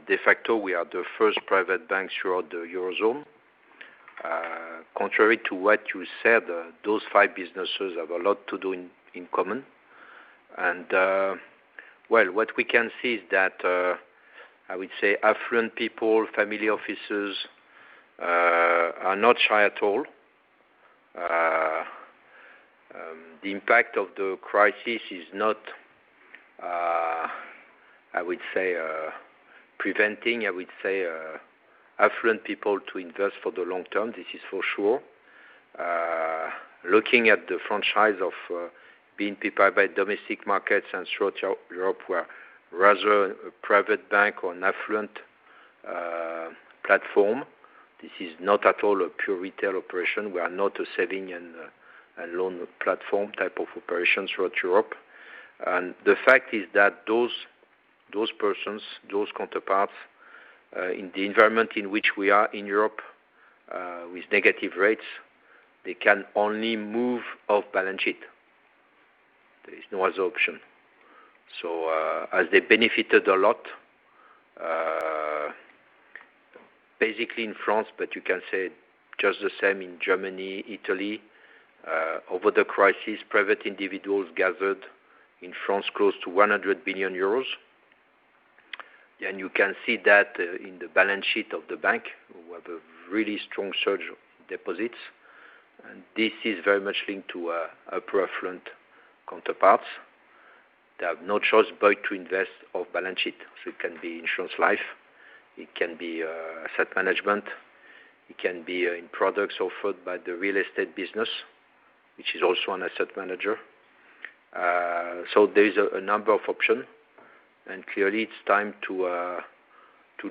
De facto, we are the first private bank throughout the Eurozone. Contrary to what you said, those five businesses have a lot to do in common. Well, what we can see is that, I would say affluent people, family offices, are not shy at all. The impact of the crisis is not, I would say, preventing affluent people to invest for the long term, this is for sure. Looking at the franchise of BNP Paribas domestic markets and throughout Europe, we're rather a private bank or an affluent platform. This is not at all a pure retail operation. We are not a saving and loan platform type of operation throughout Europe. The fact is that those persons, those counterparts, in the environment in which we are in Europe, with negative rates, they can only move off balance sheet. There is no other option. As they benefited a lot, basically in France, but you can say just the same in Germany, Italy, over the crisis, private individuals gathered in France close to 100 billion euros. You can see that in the balance sheet of the bank, we have a really strong surge of deposits. This is very much linked to upper-affluent counterparts. They have no choice but to invest off balance sheet. It can be insurance life, it can be asset management, it can be in products offered by the real estate business, which is also an asset manager. There's a number of options, and clearly it's time to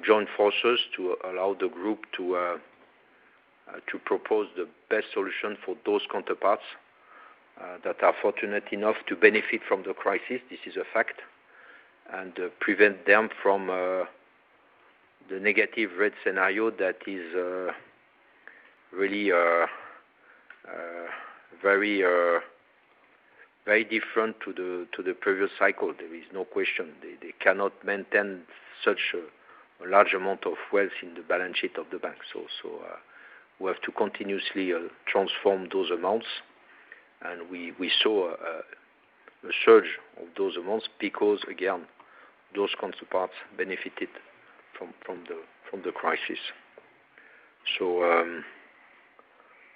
join forces to allow the group to propose the best solution for those counterparts that are fortunate enough to benefit from the crisis, this is a fact, and prevent them from the negative rate scenario that is really very different to the previous cycle. There is no question. They cannot maintain such a large amount of wealth in the balance sheet of the bank. We have to continuously transform those amounts, and we saw a surge of those amounts because, again, those counterparts benefited from the crisis.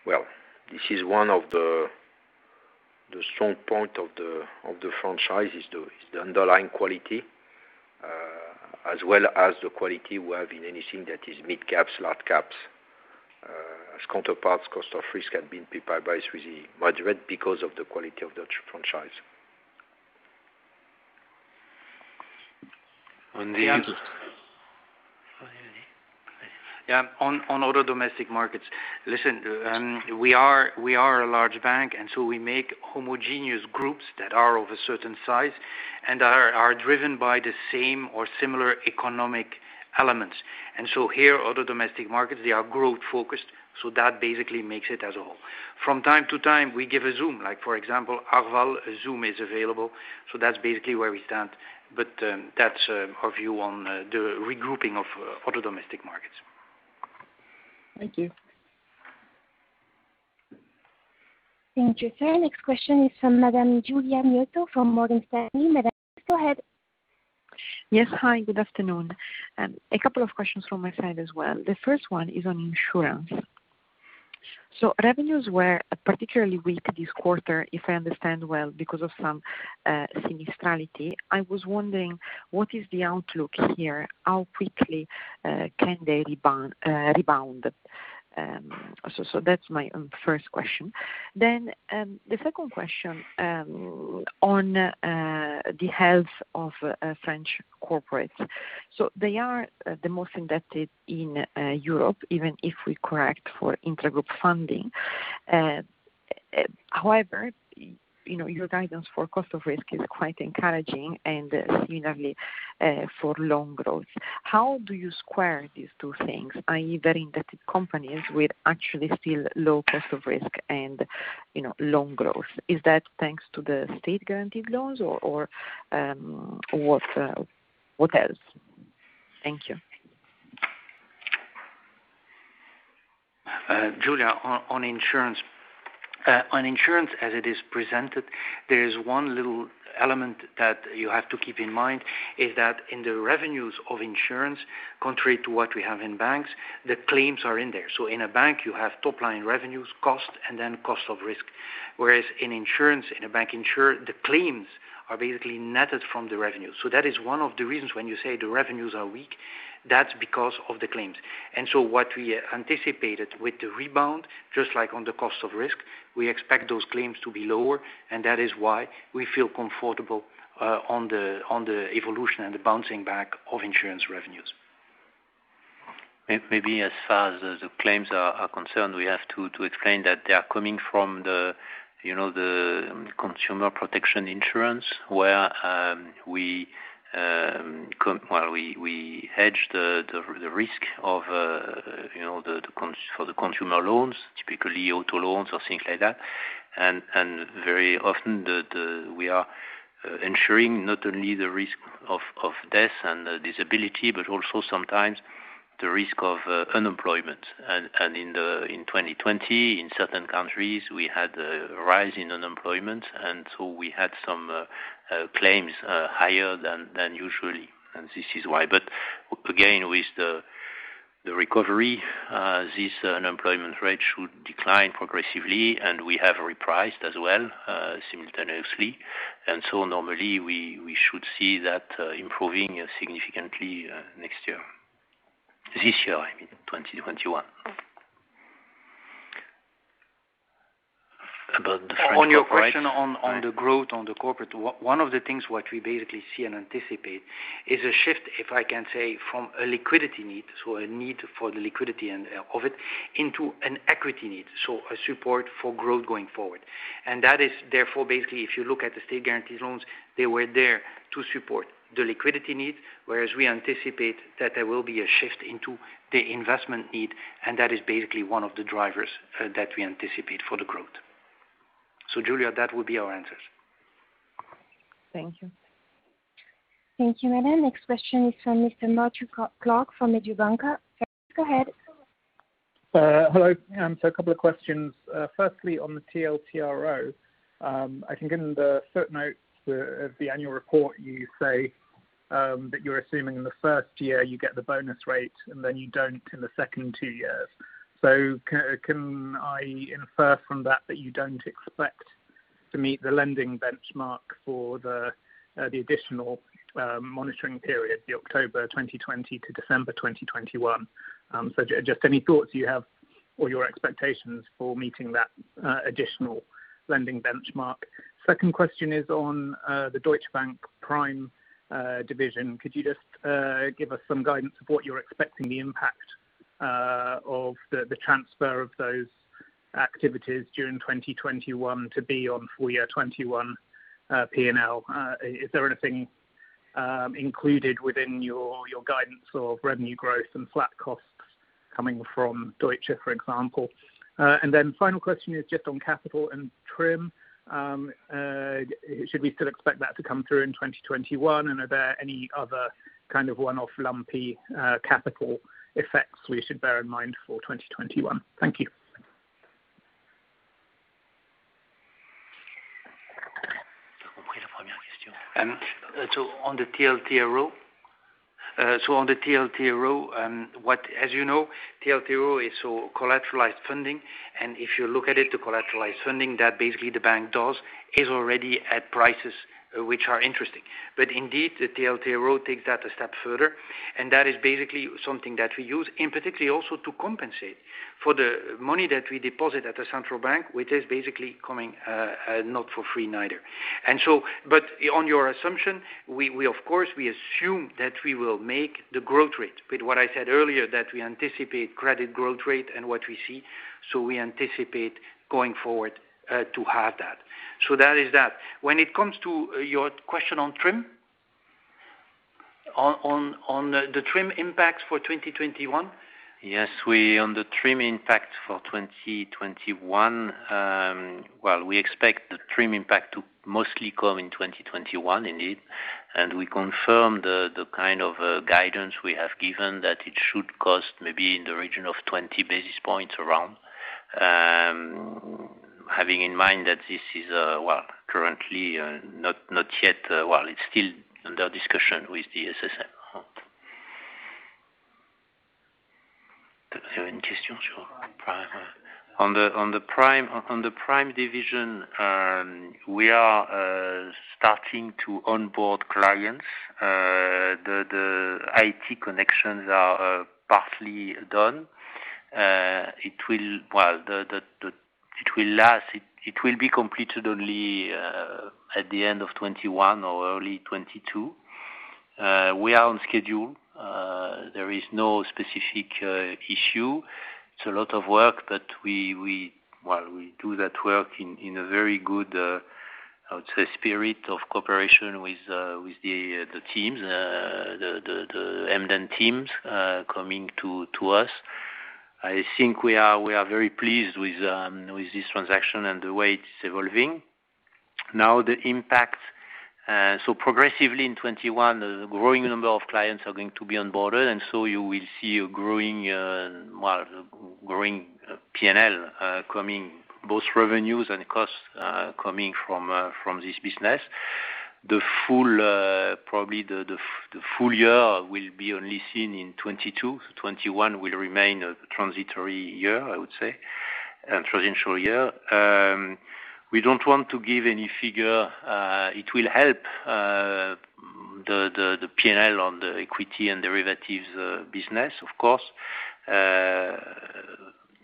Well, this is one of the strong point of the franchise, is the underlying quality, as well as the quality we have in anything that is mid caps, large caps, as counterparts, cost of risk at BNP Paribas is really moderate because of the quality of the franchise. On other domestic markets, listen, we are a large bank, and so we make homogeneous groups that are of a certain size and are driven by the same or similar economic elements. Here, other domestic markets, they are growth-focused, so that basically makes it as a whole. From time to time, we give a zoom. Like for example, Arval is available, so that's basically where we stand. That's our view on the regrouping of other domestic markets. Thank you. Thank you, sir. Next question is from Madame Giulia Miotto from Morgan Stanley. Madame, go ahead. Yes. Hi, good afternoon. A couple of questions from my side as well. The first one is on insurance. Revenues were particularly weak this quarter, if I understand well, because of some sinistrality. I was wondering, what is the outlook here? How quickly can they rebound? That's my first question. The second question on the health of French corporates. They are the most indebted in Europe, even if we correct for intragroup funding. However, your guidance for cost of risk is quite encouraging and similarly for loan growth. How do you square these two things, i.e., very indebted companies with actually still low cost of risk and loan growth? Is that thanks to the state-guaranteed loans or what else? Thank you. Giulia, on insurance as it is presented, there is one little element that you have to keep in mind, is that in the revenues of insurance, contrary to what we have in banks, the claims are in there. In a bank, you have top-line revenues, cost, and then cost of risk. Whereas in insurance, in a bank insurer, the claims are basically netted from the revenue. That is one of the reasons when you say the revenues are weak, that's because of the claims. What we anticipated with the rebound, just like on the cost of risk, we expect those claims to be lower, and that is why we feel comfortable on the evolution and the bouncing back of insurance revenues. Maybe as far as the claims are concerned, we have to explain that they are coming from the consumer protection insurance, where we hedge the risk for the consumer loans, typically auto loans or things like that. Very often, we are ensuring not only the risk of death and disability, but also sometimes the risk of unemployment. In 2020, in certain countries, we had a rise in unemployment, we had some claims higher than usually, and this is why. Again, with the recovery, this unemployment rate should decline progressively, and we have repriced as well, simultaneously. Normally, we should see that improving significantly next year. This year, I mean, 2021. About the French corporate- On your question on the growth on the corporate, one of the things what we basically see and anticipate is a shift, if I can say, from a liquidity need, so a need for the liquidity of it, into an equity need, so a support for growth going forward. That is, therefore, basically, if you look at the state-guaranteed loans, they were there to support the liquidity need, whereas we anticipate that there will be a shift into the investment need, and that is basically one of the drivers that we anticipate for the growth. Giulia, that would be our answers. Thank you. Thank you, Madame. Next question is from Mr. Matthew Clark from Mediobanca. Go ahead. Hello. A couple of questions. Firstly, on the TLTRO. I can give them the footnotes of the annual report, you say, that you're assuming in the first year you get the bonus rate, and then you don't in the second two years. Can I infer from that that you don't expect to meet the lending benchmark for the additional monitoring period, the October 2020 to December 2021? Just any thoughts you have or your expectations for meeting that additional lending benchmark. Second question is on the Deutsche Bank Prime division. Could you just give us some guidance of what you're expecting the impact of the transfer of those activities during 2021 to be on full year 2021 P&L? Is there anything included within your guidance of revenue growth and flat costs coming from Deutsche, for example? Final question is just on capital and TRIM. Should we still expect that to come through in 2021? Are there any other kind of one-off lumpy capital effects we should bear in mind for 2021? Thank you. On the TLTRO, as you know, TLTRO is collateralized funding, and if you look at it, the collateralized funding that basically the bank does is already at prices which are interesting. Indeed, the TLTRO takes that a step further, and that is basically something that we use, in particularly also to compensate for the money that we deposit at the central bank, which is basically coming not for free neither. On your assumption, of course, we assume that we will make the growth rate with what I said earlier, that we anticipate credit growth rate and what we see. We anticipate going forward to have that. That is that. When it comes to your question on TRIM, on the TRIM impacts for 2021. Yes. On the TRIM impact for 2021, we expect the TRIM impact to mostly come in 2021 indeed. We confirm the kind of guidance we have given that it should cost maybe in the region of 20 basis points around. Having in mind that this is, well, currently not yet, it's still under discussion with the SSM. On the Prime division, we are starting to onboard clients. The IT connections are partly done. It will last. It will be completed only at the end of 2021 or early 2022. We are on schedule. There is no specific issue. It's a lot of work, but we do that work in a very good spirit of cooperation with the teams, the DB teams coming to us. I think we are very pleased with this transaction and the way it's evolving. Now, the impact. Progressively in 2021, a growing number of clients are going to be onboarded, you will see a growing P&L, both revenues and costs, coming from this business. Probably the full year will be only seen in 2022. 2021 will remain a transitory year, I would say, a transitional year. We don't want to give any figure. It will help the P&L on the equity and derivatives business, of course.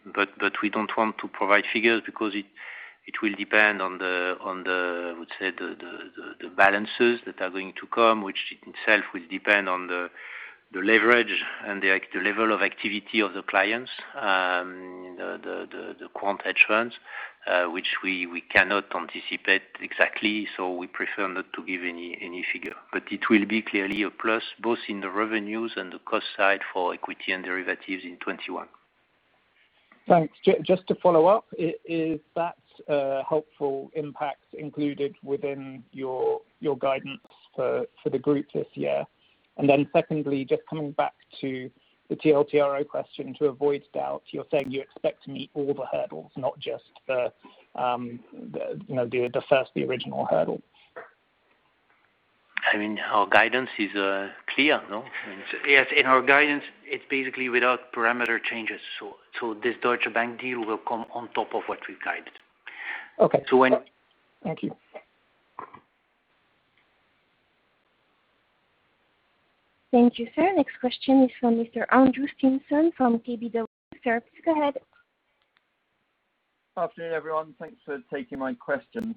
We don't want to provide figures because it will depend on the, I would say, the balances that are going to come, which itself will depend on the leverage and the level of activity of the clients, the quant hedge funds, which we cannot anticipate exactly, we prefer not to give any figure. It will be clearly a plus, both in the revenues and the cost side for equity and derivatives in 2021. Thanks. Just to follow up, is that helpful impact included within your guidance for the group this year? Secondly, just coming back to the TLTRO question, to avoid doubt, you're saying you expect to meet all the hurdles, not just the first, the original hurdle? Our guidance is clear, no? Yes. In our guidance, it's basically without parameter changes. This Deutsche Bank deal will come on top of what we've guided. Okay. Thank you. Thank you, sir. Next question is from Mr. Andrew Stimpson from KBW. Sir, please go ahead. Afternoon, everyone. Thanks for taking my questions.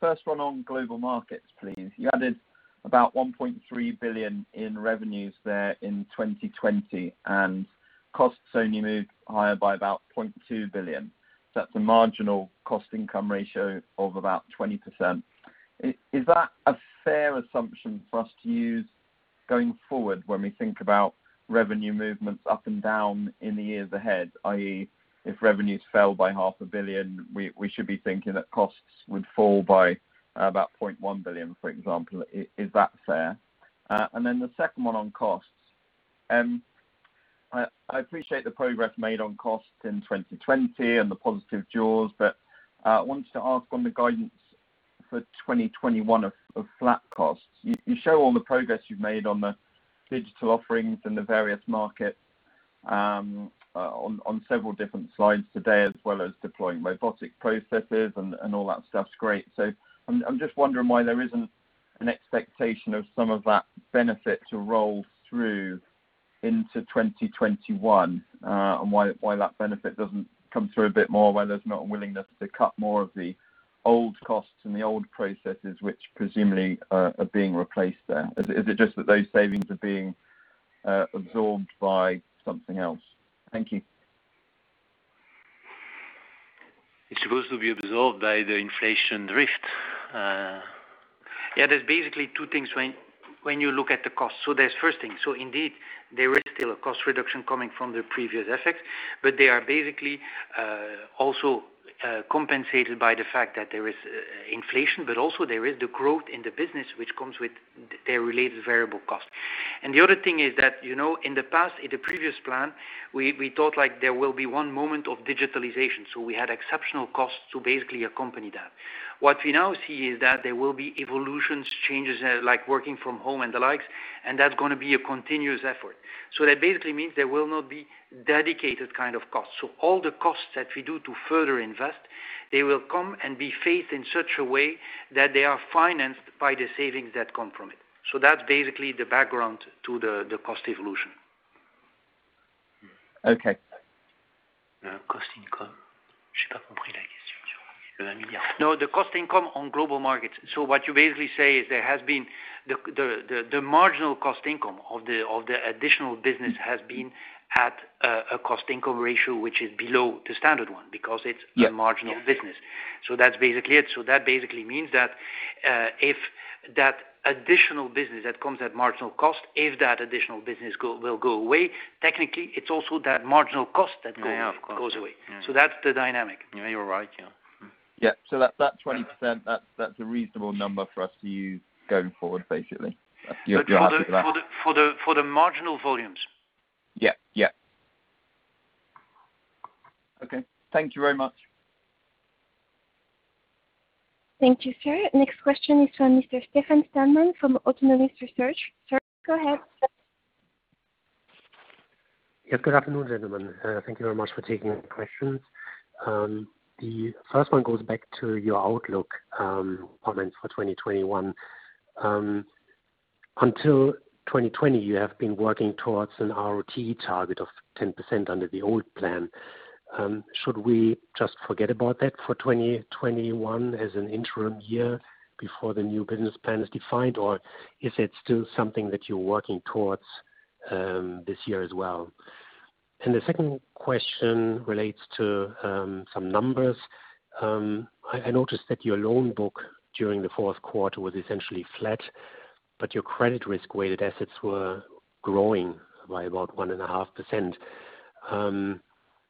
First one on Global Markets, please. You added about 1.3 billion in revenues there in 2020, and costs only moved higher by about 0.2 billion. That's a marginal cost income ratio of about 20%. Is that a fair assumption for us to use going forward when we think about revenue movements up and down in the years ahead, i.e., if revenues fell by 500 million, we should be thinking that costs would fall by about 0.1 billion, for example. Is that fair? Then the second one on costs. I appreciate the progress made on costs in 2020 and the positive jaws, but I wanted to ask on the guidance for 2021 of flat costs. You show all the progress you've made on the digital offerings in the various markets on several different slides today, as well as deploying robotic processes and all that stuff. Great. I'm just wondering why there isn't an expectation of some of that benefit to roll through into 2021, and why that benefit doesn't come through a bit more, why there's not a willingness to cut more of the old costs and the old processes, which presumably are being replaced there. Is it just that those savings are being absorbed by something else? Thank you. It's supposed to be absorbed by the inflation drift. There is basically two things when you look at the cost. There is the first thing. Indeed, there is still a cost reduction coming from the previous effects, but they are basically also compensated by the fact that there is inflation, but also there is the growth in the business, which comes with the related variable cost. The other thing is that, in the past, in the previous plan, we thought there will be one moment of digitalization. We had exceptional costs to basically accompany that. What we now see is that there will be evolutions, changes, like working from home and the like, and that's going to be a continuous effort. That basically means there will not be dedicated kind of costs. All the costs that we do to further invest, they will come and be faced in such a way that they are financed by the savings that come from it. That's basically the background to the cost evolution. Okay. Cost income. No, the cost income on Global Markets. What you basically say is the marginal cost income of the additional business has been at a cost income ratio, which is below the standard one because of the marginal business. That's basically it. That basically means that if that additional business that comes at marginal cost, if that additional business will go away, technically, it's also that marginal cost that goes- Yeah, of course. away. That's the dynamic. Yeah, you're right. Yeah. Yeah. That 20%, that's a reasonable number for us to use going forward, basically. Your answer to that. For the marginal volumes. Yeah. Okay. Thank you very much. Thank you, sir. Next question is from Mr. Stefan Stalmann from Autonomous Research. Sir, go ahead. Good afternoon, gentlemen. Thank you very much for taking the questions. The first one goes back to your outlook comments for 2021. Until 2020, you have been working towards an ROTE target of 10% under the old plan. Should we just forget about that for 2021 as an interim year before the new business plan is defined, or is it still something that you're working towards this year as well? The second question relates to some numbers. I noticed that your loan book during the Q4 was essentially flat, but your credit risk-weighted assets were growing by about 1.5%.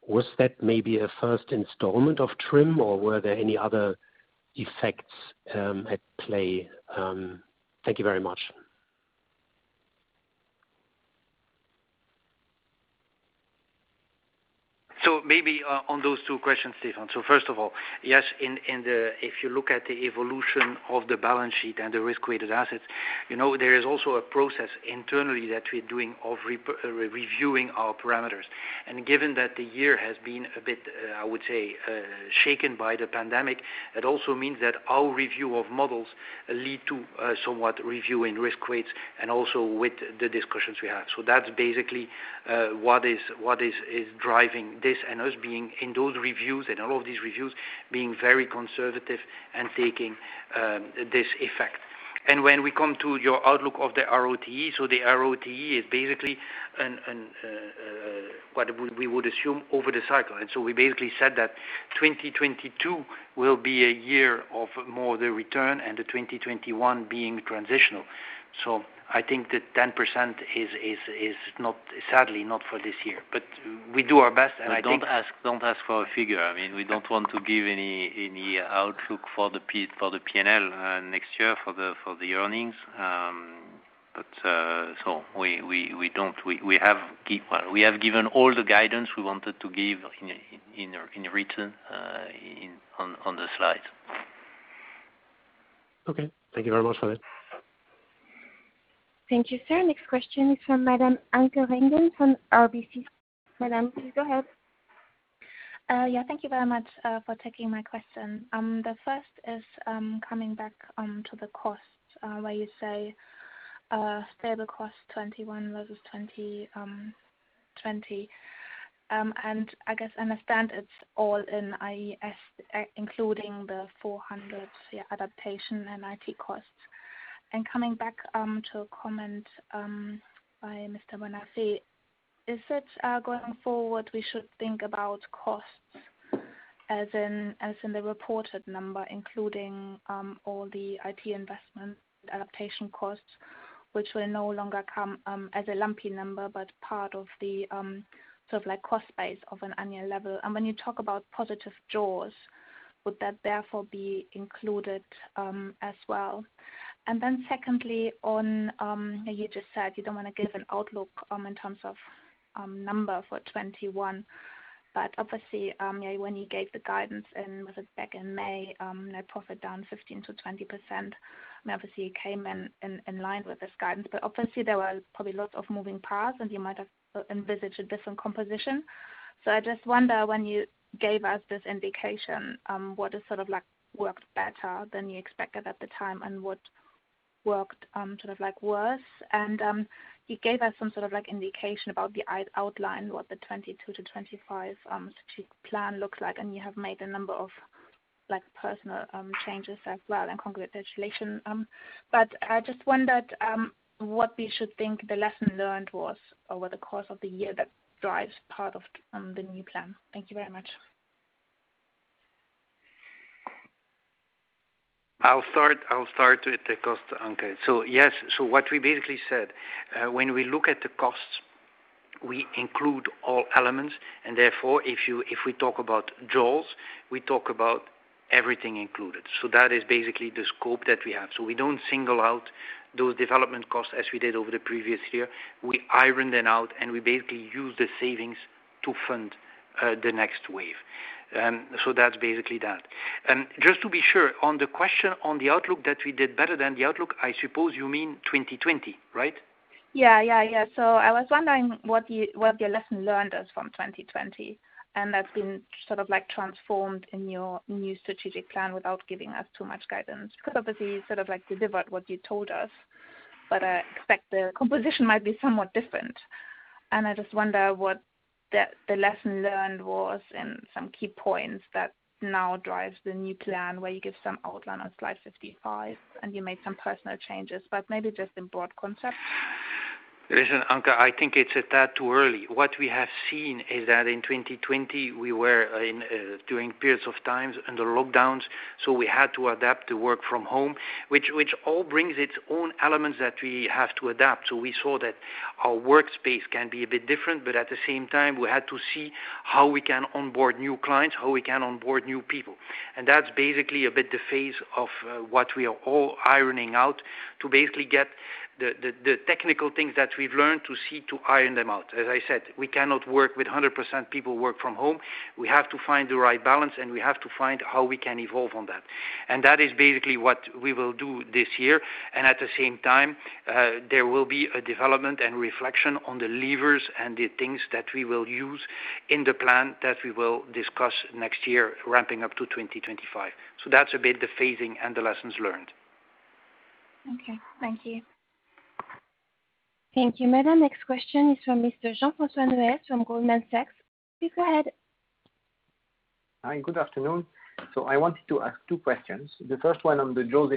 Was that maybe a first installment of TRIM, or were there any other effects at play? Thank you very much. Maybe on those two questions, Stefan. First of all, yes, if you look at the evolution of the balance sheet and the risk-weighted assets, there is also a process internally that we're doing of reviewing our parameters. Given that the year has been a bit, I would say, shaken by the pandemic, it also means that our review of models lead to somewhat reviewing risk weights and also with the discussions we have. That's basically what is driving this, and us being in those reviews and all of these reviews, being very conservative and taking this effect. When we come to your outlook of the RoTE, so the RoTE is basically what we would assume over the cycle. We basically said that 2022 will be a year of more the return and the 2021 being transitional. I think that 10% is sadly not for this year. We do our best. Don't ask for a figure. We don't want to give any outlook for the P&L next year for the earnings. We have given all the guidance we wanted to give in written on the slides. Okay. Thank you very much, Philippe. Thank you, sir. Next question is from Madame Anke Reingen from RBC. Madame, please go ahead. Thank you very much for taking my question. The first is coming back onto the cost, where you say stable cost 2021 versus 2020. I guess, I understand it's all in, including the 400 adaptation and IT costs. Coming back to a comment by Mr. Bonnafé, is it going forward, we should think about costs as in the reported number, including all the IT investment adaptation costs, which will no longer come as a lumpy number, but part of the cost base of an annual level. When you talk about positive jaws, would that therefore be included as well? Secondly, on, you just said you don't want to give an outlook in terms of number for 2021. Obviously, when you gave the guidance, and was it back in May, net profit down 15%-20%, obviously you came in line with this guidance. Obviously there were probably lots of moving parts, and you might have envisaged a different composition. I just wonder when you gave us this indication, what has worked better than you expected at the time and what worked worse? You gave us some sort of indication about the outline, what the 2022 to 2025 strategic plan looks like, and you have made a number of personal changes as well, and congratulations. I just wondered what we should think the lesson learned was over the course of the year that drives part of the new plan. Thank you very much. I'll start with the cost, Anke. Yes, what we basically said, when we look at the costs, we include all elements, and therefore, if we talk about jaws, we talk about everything included. That is basically the scope that we have. We don't single out those development costs as we did over the previous year. We iron them out, and we basically use the savings to fund the next wave. That's basically that. Just to be sure, on the question on the outlook that we did better than the outlook, I suppose you mean 2020, right? Yeah. I was wondering what your lesson learned is from 2020, and that's been transformed in your new strategic plan without giving us too much guidance, because obviously you delivered what you told us. I expect the composition might be somewhat different. I just wonder what the lesson learned was in some key points that now drives the new plan where you give some outline on slide 55, and you made some personal changes, but maybe just in broad concept. Listen, Anke, I think it's a tad too early. What we have seen is that in 2020, we were doing periods of times under lockdowns, so we had to adapt to work from home, which all brings its own elements that we have to adapt. We saw that our workspace can be a bit different, but at the same time, we had to see how we can onboard new clients, how we can onboard new people. That's basically a bit the phase of what we are all ironing out to basically get the technical things that we've learned to see to iron them out. As I said, we cannot work with 100% people work from home. We have to find the right balance, and we have to find how we can evolve on that. That is basically what we will do this year. At the same time, there will be a development and reflection on the levers and the things that we will use in the plan that we will discuss next year, ramping up to 2025. That's a bit the phasing and the lessons learned. Okay. Thank you. Thank you, madam. Next question is from Mr. Jean-François Neuez from Goldman Sachs. Please go ahead. Hi, good afternoon. I wanted to ask two questions. The first one on the jaws.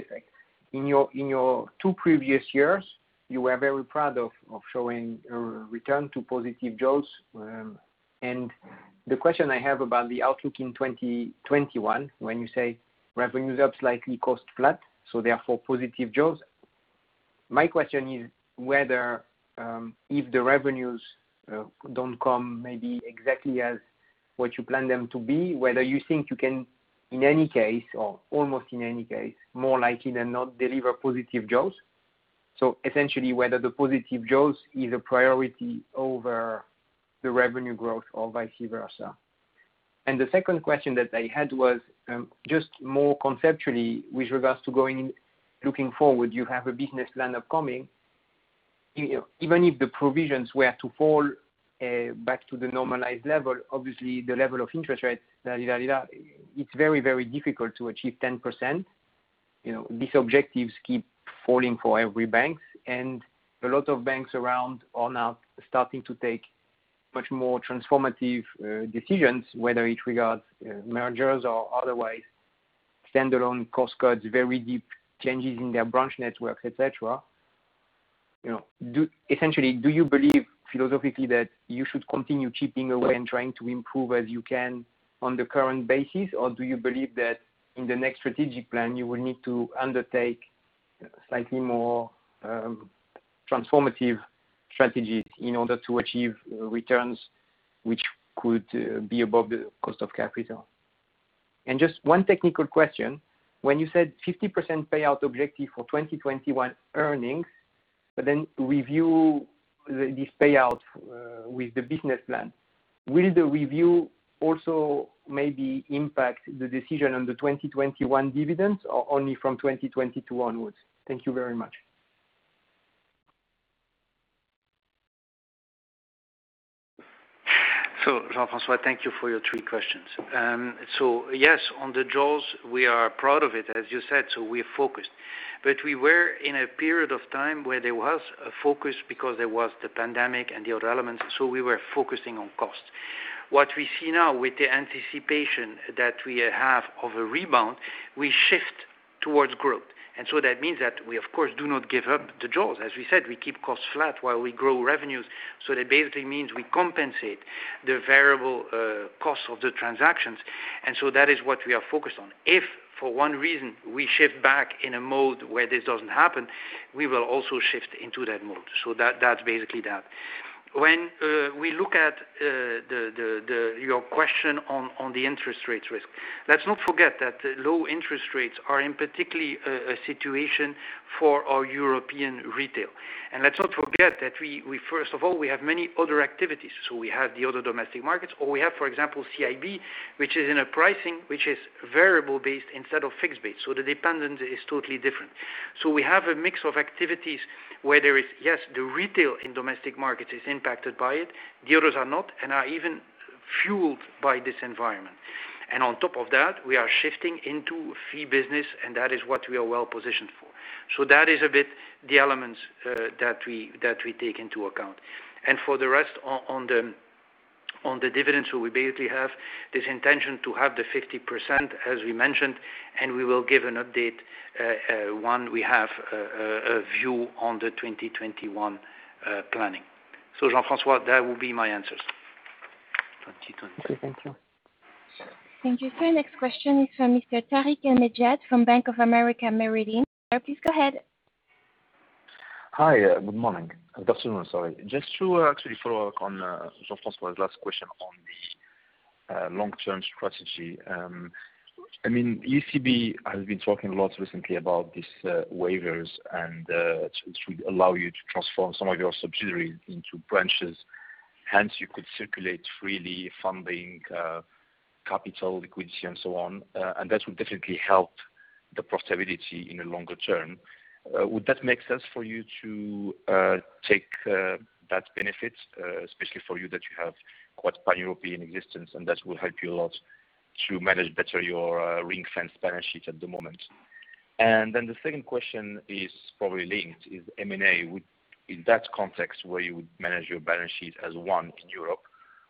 In your two previous years, you were very proud of showing a return to positive jaws. The question I have about the outlook in 2021, when you say revenues up slightly, cost flat, therefore positive jaws. My question is whether, if the revenues don't come maybe exactly as what you plan them to be, whether you think you can, in any case or almost in any case, more likely than not, deliver positive jaws. Essentially whether the positive jaws is a priority over the revenue growth or vice versa. The second question that I had was, just more conceptually with regards to looking forward, you have a business plan upcoming. Even if the provisions were to fall back to the normalized level, obviously the level of interest rates, it's very difficult to achieve 10%. These objectives keep falling for every bank, and a lot of banks around are now starting to take much more transformative decisions, whether it regards mergers or otherwise standalone cost cuts, very deep changes in their branch networks, et cetera. Essentially, do you believe philosophically that you should continue chipping away and trying to improve as you can on the current basis? Do you believe that in the next strategic plan, you will need to undertake slightly more transformative strategies in order to achieve returns, which could be above the cost of capital? Just one technical question. When you said 50% payout objective for 2021 earnings, but then review this payout with the business plan? Will the review also maybe impact the decision on the 2021 dividends or only from 2022 onwards? Thank you very much. Jean-François, thank you for your three questions. Yes, on the jaws, we are proud of it, as you said, we are focused. We were in a period of time where there was a focus because there was the pandemic and the other elements, we were focusing on cost. That means that we of course, do not give up the jaws. As we said, we keep costs flat while we grow revenues, that basically means we compensate the variable costs of the transactions, that is what we are focused on. If for one reason, we shift back in a mode where this doesn't happen, we will also shift into that mode. That's basically that. We look at your question on the interest rates risk, let's not forget that low interest rates are in particular a situation for our European retail. Let's not forget that first of all, we have many other activities. We have the other domestic markets, or we have, for example, CIB, which is in a pricing which is variable-based instead of fixed-based. The dependence is totally different. We have a mix of activities where there is, yes, the retail and domestic market is impacted by it. The others are not, are even fueled by this environment. On top of that, we are shifting into fee business, and that is what we are well-positioned for. That is a bit the elements that we take into account. For the rest, on the dividends, we basically have this intention to have the 50%, as we mentioned, and we will give an update once we have a view on the 2021 planning. Jean-François, that will be my answers. Okay. Thank you. Thank you, sir. Next question is from Mr. Tarik El Mejjad from Bank of America, Merrill Lynch. Sir, please go ahead. Hi, good morning. Good afternoon, sorry. Just to actually follow up on Jean-François's last question on the long-term strategy. ECB has been talking a lot recently about these waivers, which would allow you to transform some of your subsidiaries into branches. You could circulate freely funding, capital, liquidity, and so on. That would definitely help the profitability in the longer term. Would that make sense for you to take that benefit, especially for you that you have quite pan-European existence, and that will help you a lot to manage better your ring-fence balance sheet at the moment? The second question is probably linked, is M&A. In that context where you would manage your balance sheet as one in Europe,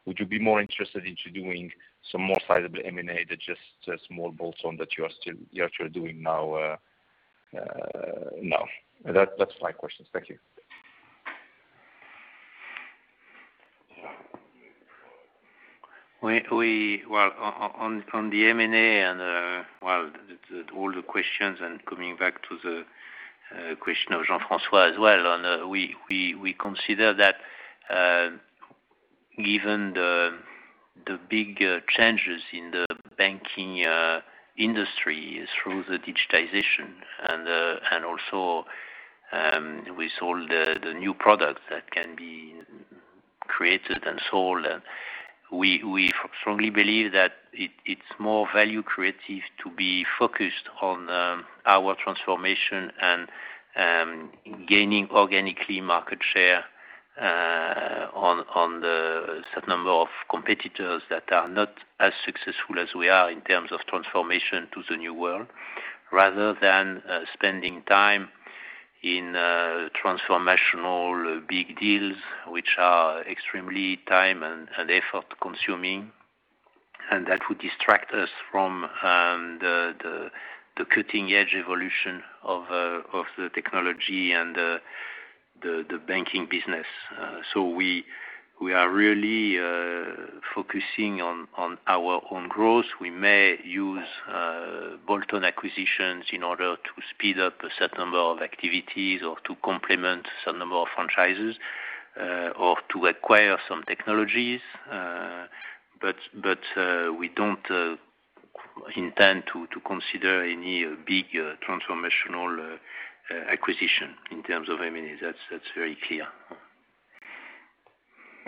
would you be more interested into doing some more sizable M&A than just a small bolt-on that you are doing now? That's my questions. Thank you. On the M&A and all the questions and coming back to the question of Jean-François as well, we consider that given the big changes in the banking industry through the digitization and also with all the new products that can be created and sold, we strongly believe that it's more value creative to be focused on our transformation and gaining organically market share on the set number of competitors that are not as successful as we are in terms of transformation to the new world. Rather than spending time in transformational big deals, which are extremely time and effort consuming, and that would distract us from the cutting-edge evolution of the technology and the banking business. We are really focusing on our own growth. We may use bolt-on acquisitions in order to speed up a certain number of activities or to complement certain number of franchises, or to acquire some technologies. We don't intend to consider any big transformational acquisition in terms of M&A. That's very clear.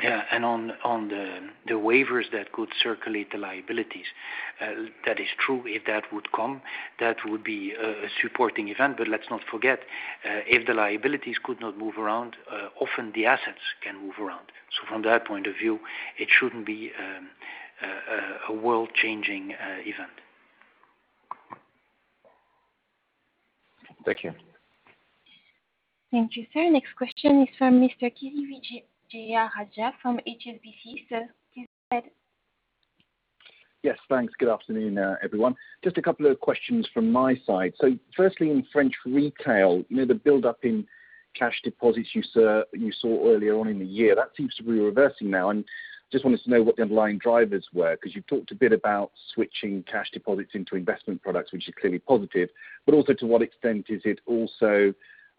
Yeah. On the waivers that could circulate the liabilities, that is true. If that would come, that would be a supporting event. Let's not forget, if the liabilities could not move around, often the assets can move around. From that point of view, it shouldn't be a world-changing event. Thank you. Thank you, sir. Next question is from Mr. Kiri Vijayarajah from HSBC. Sir, please go ahead. Yes, thanks. Good afternoon, everyone. Just a couple of questions from my side. Firstly, in French retail, the buildup in cash deposits you saw earlier on in the year, that seems to be reversing now. Just wanted to know what the underlying drivers were, because you talked a bit about switching cash deposits into investment products, which is clearly positive, but also to what extent is it also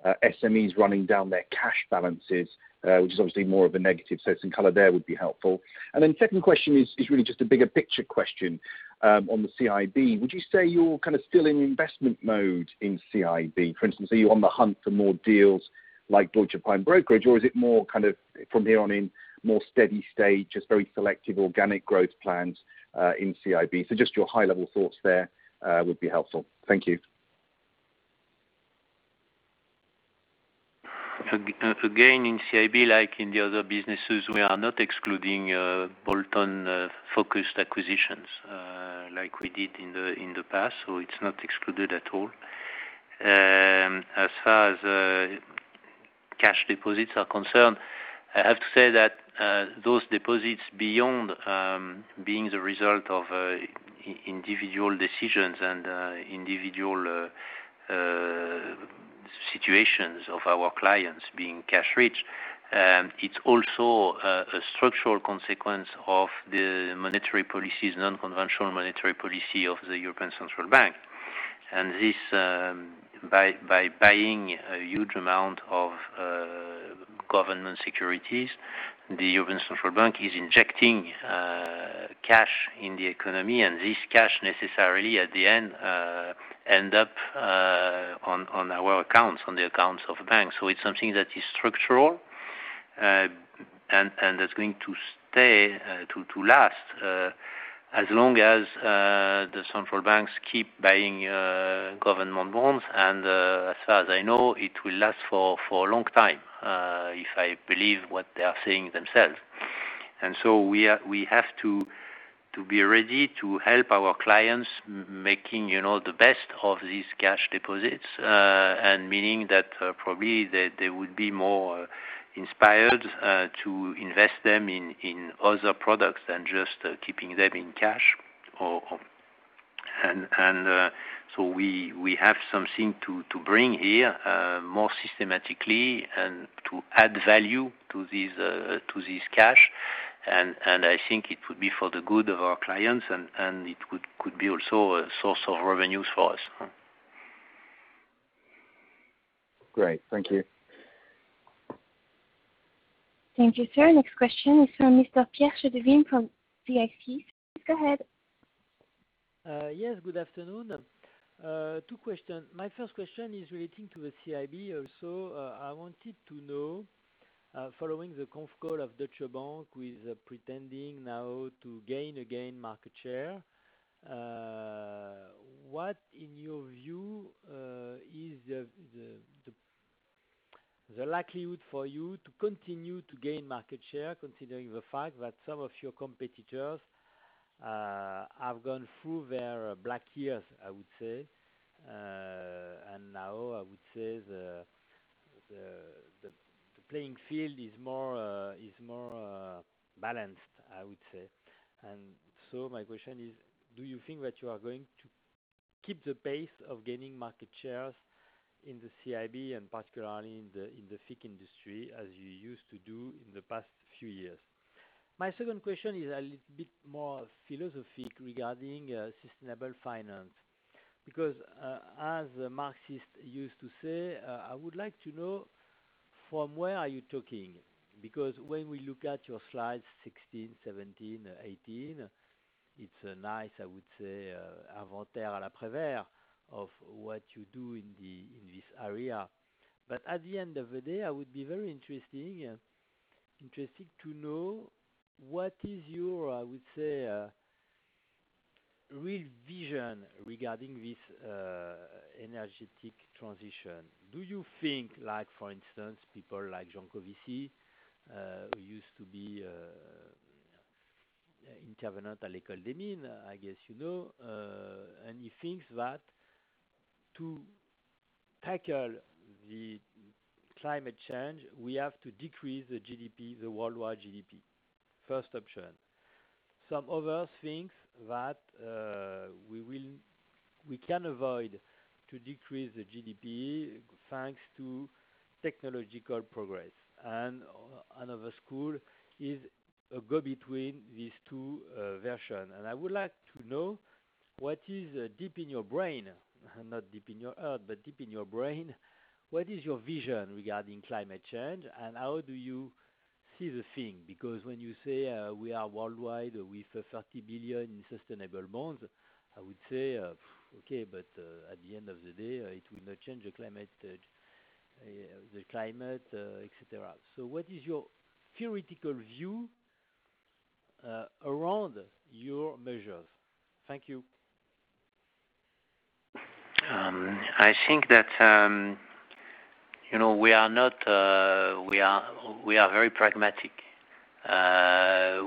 SMEs running down their cash balances, which is obviously more of a negative. Some color there would be helpful. Second question is really just a bigger picture question on the CIB. Would you say you're kind of still in investment mode in CIB? For instance, are you on the hunt for more deals like Deutsche Prime Brokerage, or is it more kind of from here on in more steady state, just very selective organic growth plans, in CIB? Just your high-level thoughts there would be helpful. Thank you. Again, in CIB, like in the other businesses, we are not excluding bolt-on focused acquisitions like we did in the past. It's not excluded at all. As far as cash deposits are concerned, I have to say that those deposits beyond being the result of individual decisions and individual situations of our clients being cash rich, it's also a structural consequence of the non-conventional monetary policy of the European Central Bank. This, by buying a huge amount of government securities, the European Central Bank is injecting cash in the economy, and this cash necessarily at the end ends up on our accounts, on the accounts of banks. It's something that is structural, and that's going to last as long as the central banks keep buying government bonds, and, as far as I know, it will last for a long time, if I believe what they are saying themselves. We have to be ready to help our clients making the best of these cash deposits, and meaning that probably they would be more inspired to invest them in other products than just keeping them in cash. We have something to bring here more systematically and to add value to this cash. I think it would be for the good of our clients, and it could be also a source of revenues for us. Great. Thank you. Thank you, sir. Next question is from Mr. Pierre Chédeville from CM-CIC Securities. Go ahead. Yes, good afternoon. Two questions. My first question is relating to the CIB also. I wanted to know, following the conf call of Deutsche Bank, with pretending now to gain again market share, what in your view is the likelihood for you to continue to gain market share, considering the fact that some of your competitors have gone through their black years, I would say, and now, I would say the playing field is more balanced. My question is, do you think that you are going to keep the pace of gaining market shares in the CIB and particularly in the FICC industry as you used to do in the past few years? My second question is a little bit more philosophic regarding sustainable finance. As Marx used to say, I would like to know from where are you talking? When we look at your slides 16, 17, 18, it's nice, I would say, of what you do in this area. At the end of the day, I would be very interested to know what is your, I would say, real vision regarding this energetic transition. Do you think like, for instance, people like Jean-Marc Jancovici, who used to be Intergovernmental EMINE, I guess you know? He thinks that to tackle the climate change, we have to decrease the worldwide GDP. First option. Some others think that we can avoid to decrease the GDP thanks to technological progress, and another school is a go-between these two version. I would like to know what is, deep in your brain, not deep in your heart, but deep in your brain, what is your vision regarding climate change, and how do you see the thing? When you say we are worldwide with 30 billion sustainable bonds, I would say, "Okay, but at the end of the day, it will not change the climate," et cetera. What is your theoretical view around your measures? Thank you. I think that we are very pragmatic.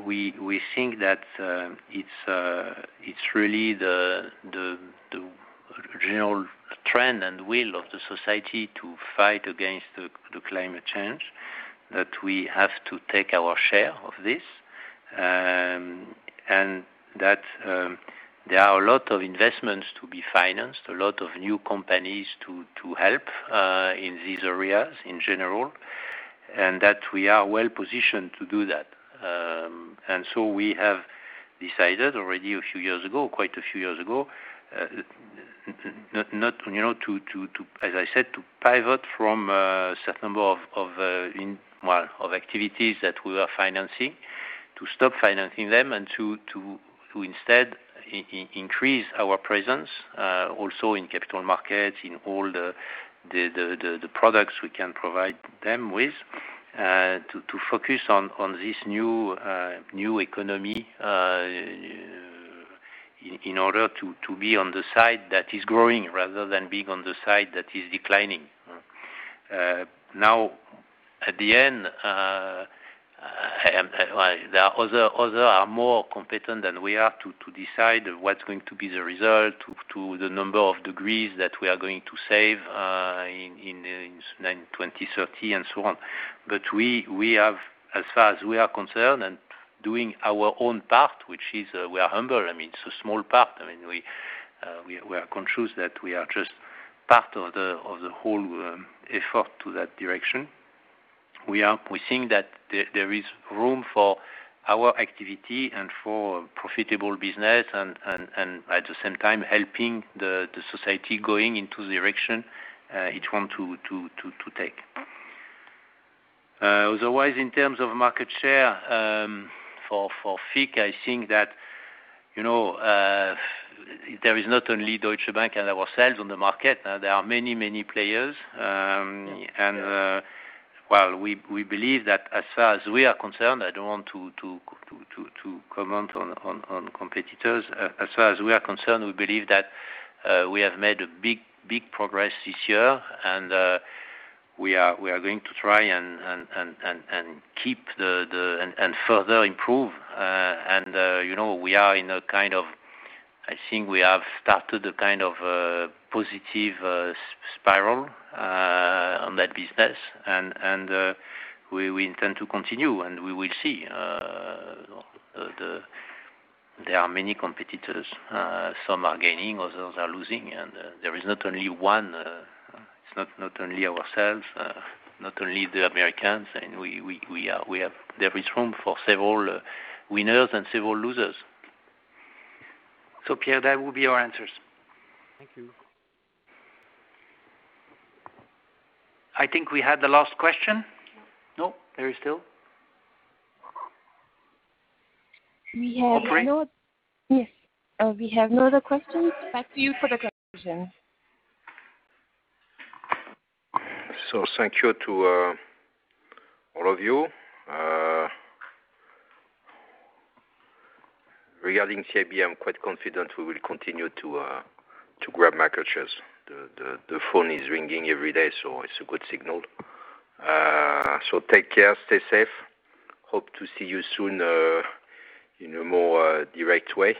We think that it's really the general trend and will of the society to fight against the climate change, that we have to take our share of this, and that there are a lot of investments to be financed, a lot of new companies to help in these areas in general, and that we are well-positioned to do that. We have decided already a few years ago, quite a few years ago, as I said, to pivot from a certain number of activities that we were financing, to stop financing them, and to instead increase our presence, also in capital markets, in all the products we can provide them with, to focus on this new economy in order to be on the side that is growing rather than being on the side that is declining. At the end, others are more competent than we are to decide what's going to be the result to the number of degrees that we are going to save in 2030 and so on. As far as we are concerned and doing our own part, which we are humble, it's a small part. We are conscious that we are just part of the whole effort to that direction. We think that there is room for our activity and for profitable business, and at the same time, helping the society going into the direction it want to take. Otherwise, in terms of market share, for FICC, I think that there is not only Deutsche Bank and ourselves on the market. There are many players. While we believe that as far as we are concerned, I don't want to comment on competitors. As far as we are concerned, we believe that we have made a big progress this year, and we are going to try and further improve. I think we have started a kind of a positive spiral on that business, and we intend to continue, and we will see. There are many competitors. Some are gaining, others are losing, and there is not only one. It's not only ourselves, not only the Americans, and there is room for several winners and several losers. Pierre, that will be our answers. Thank you. I think we had the last question. Nope, there is no We have no- Operator? Yes. We have no other questions. Back to you for the conclusion. Thank you to all of you. Regarding CIB, I'm quite confident we will continue to grab market shares. The phone is ringing every day, so it's a good signal. Take care, stay safe. I hope to see you soon in a more direct way.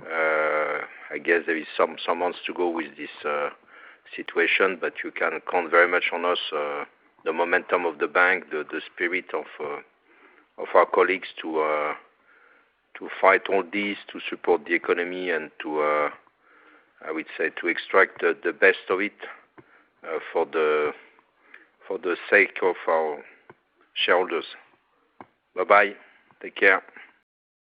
I guess there is some months to go with this situation, but you can count very much on us, the momentum of the bank, the spirit of our colleagues to fight all this, to support the economy, and I would say, to extract the best of it for the sake of our shareholders. Bye-bye. Take care.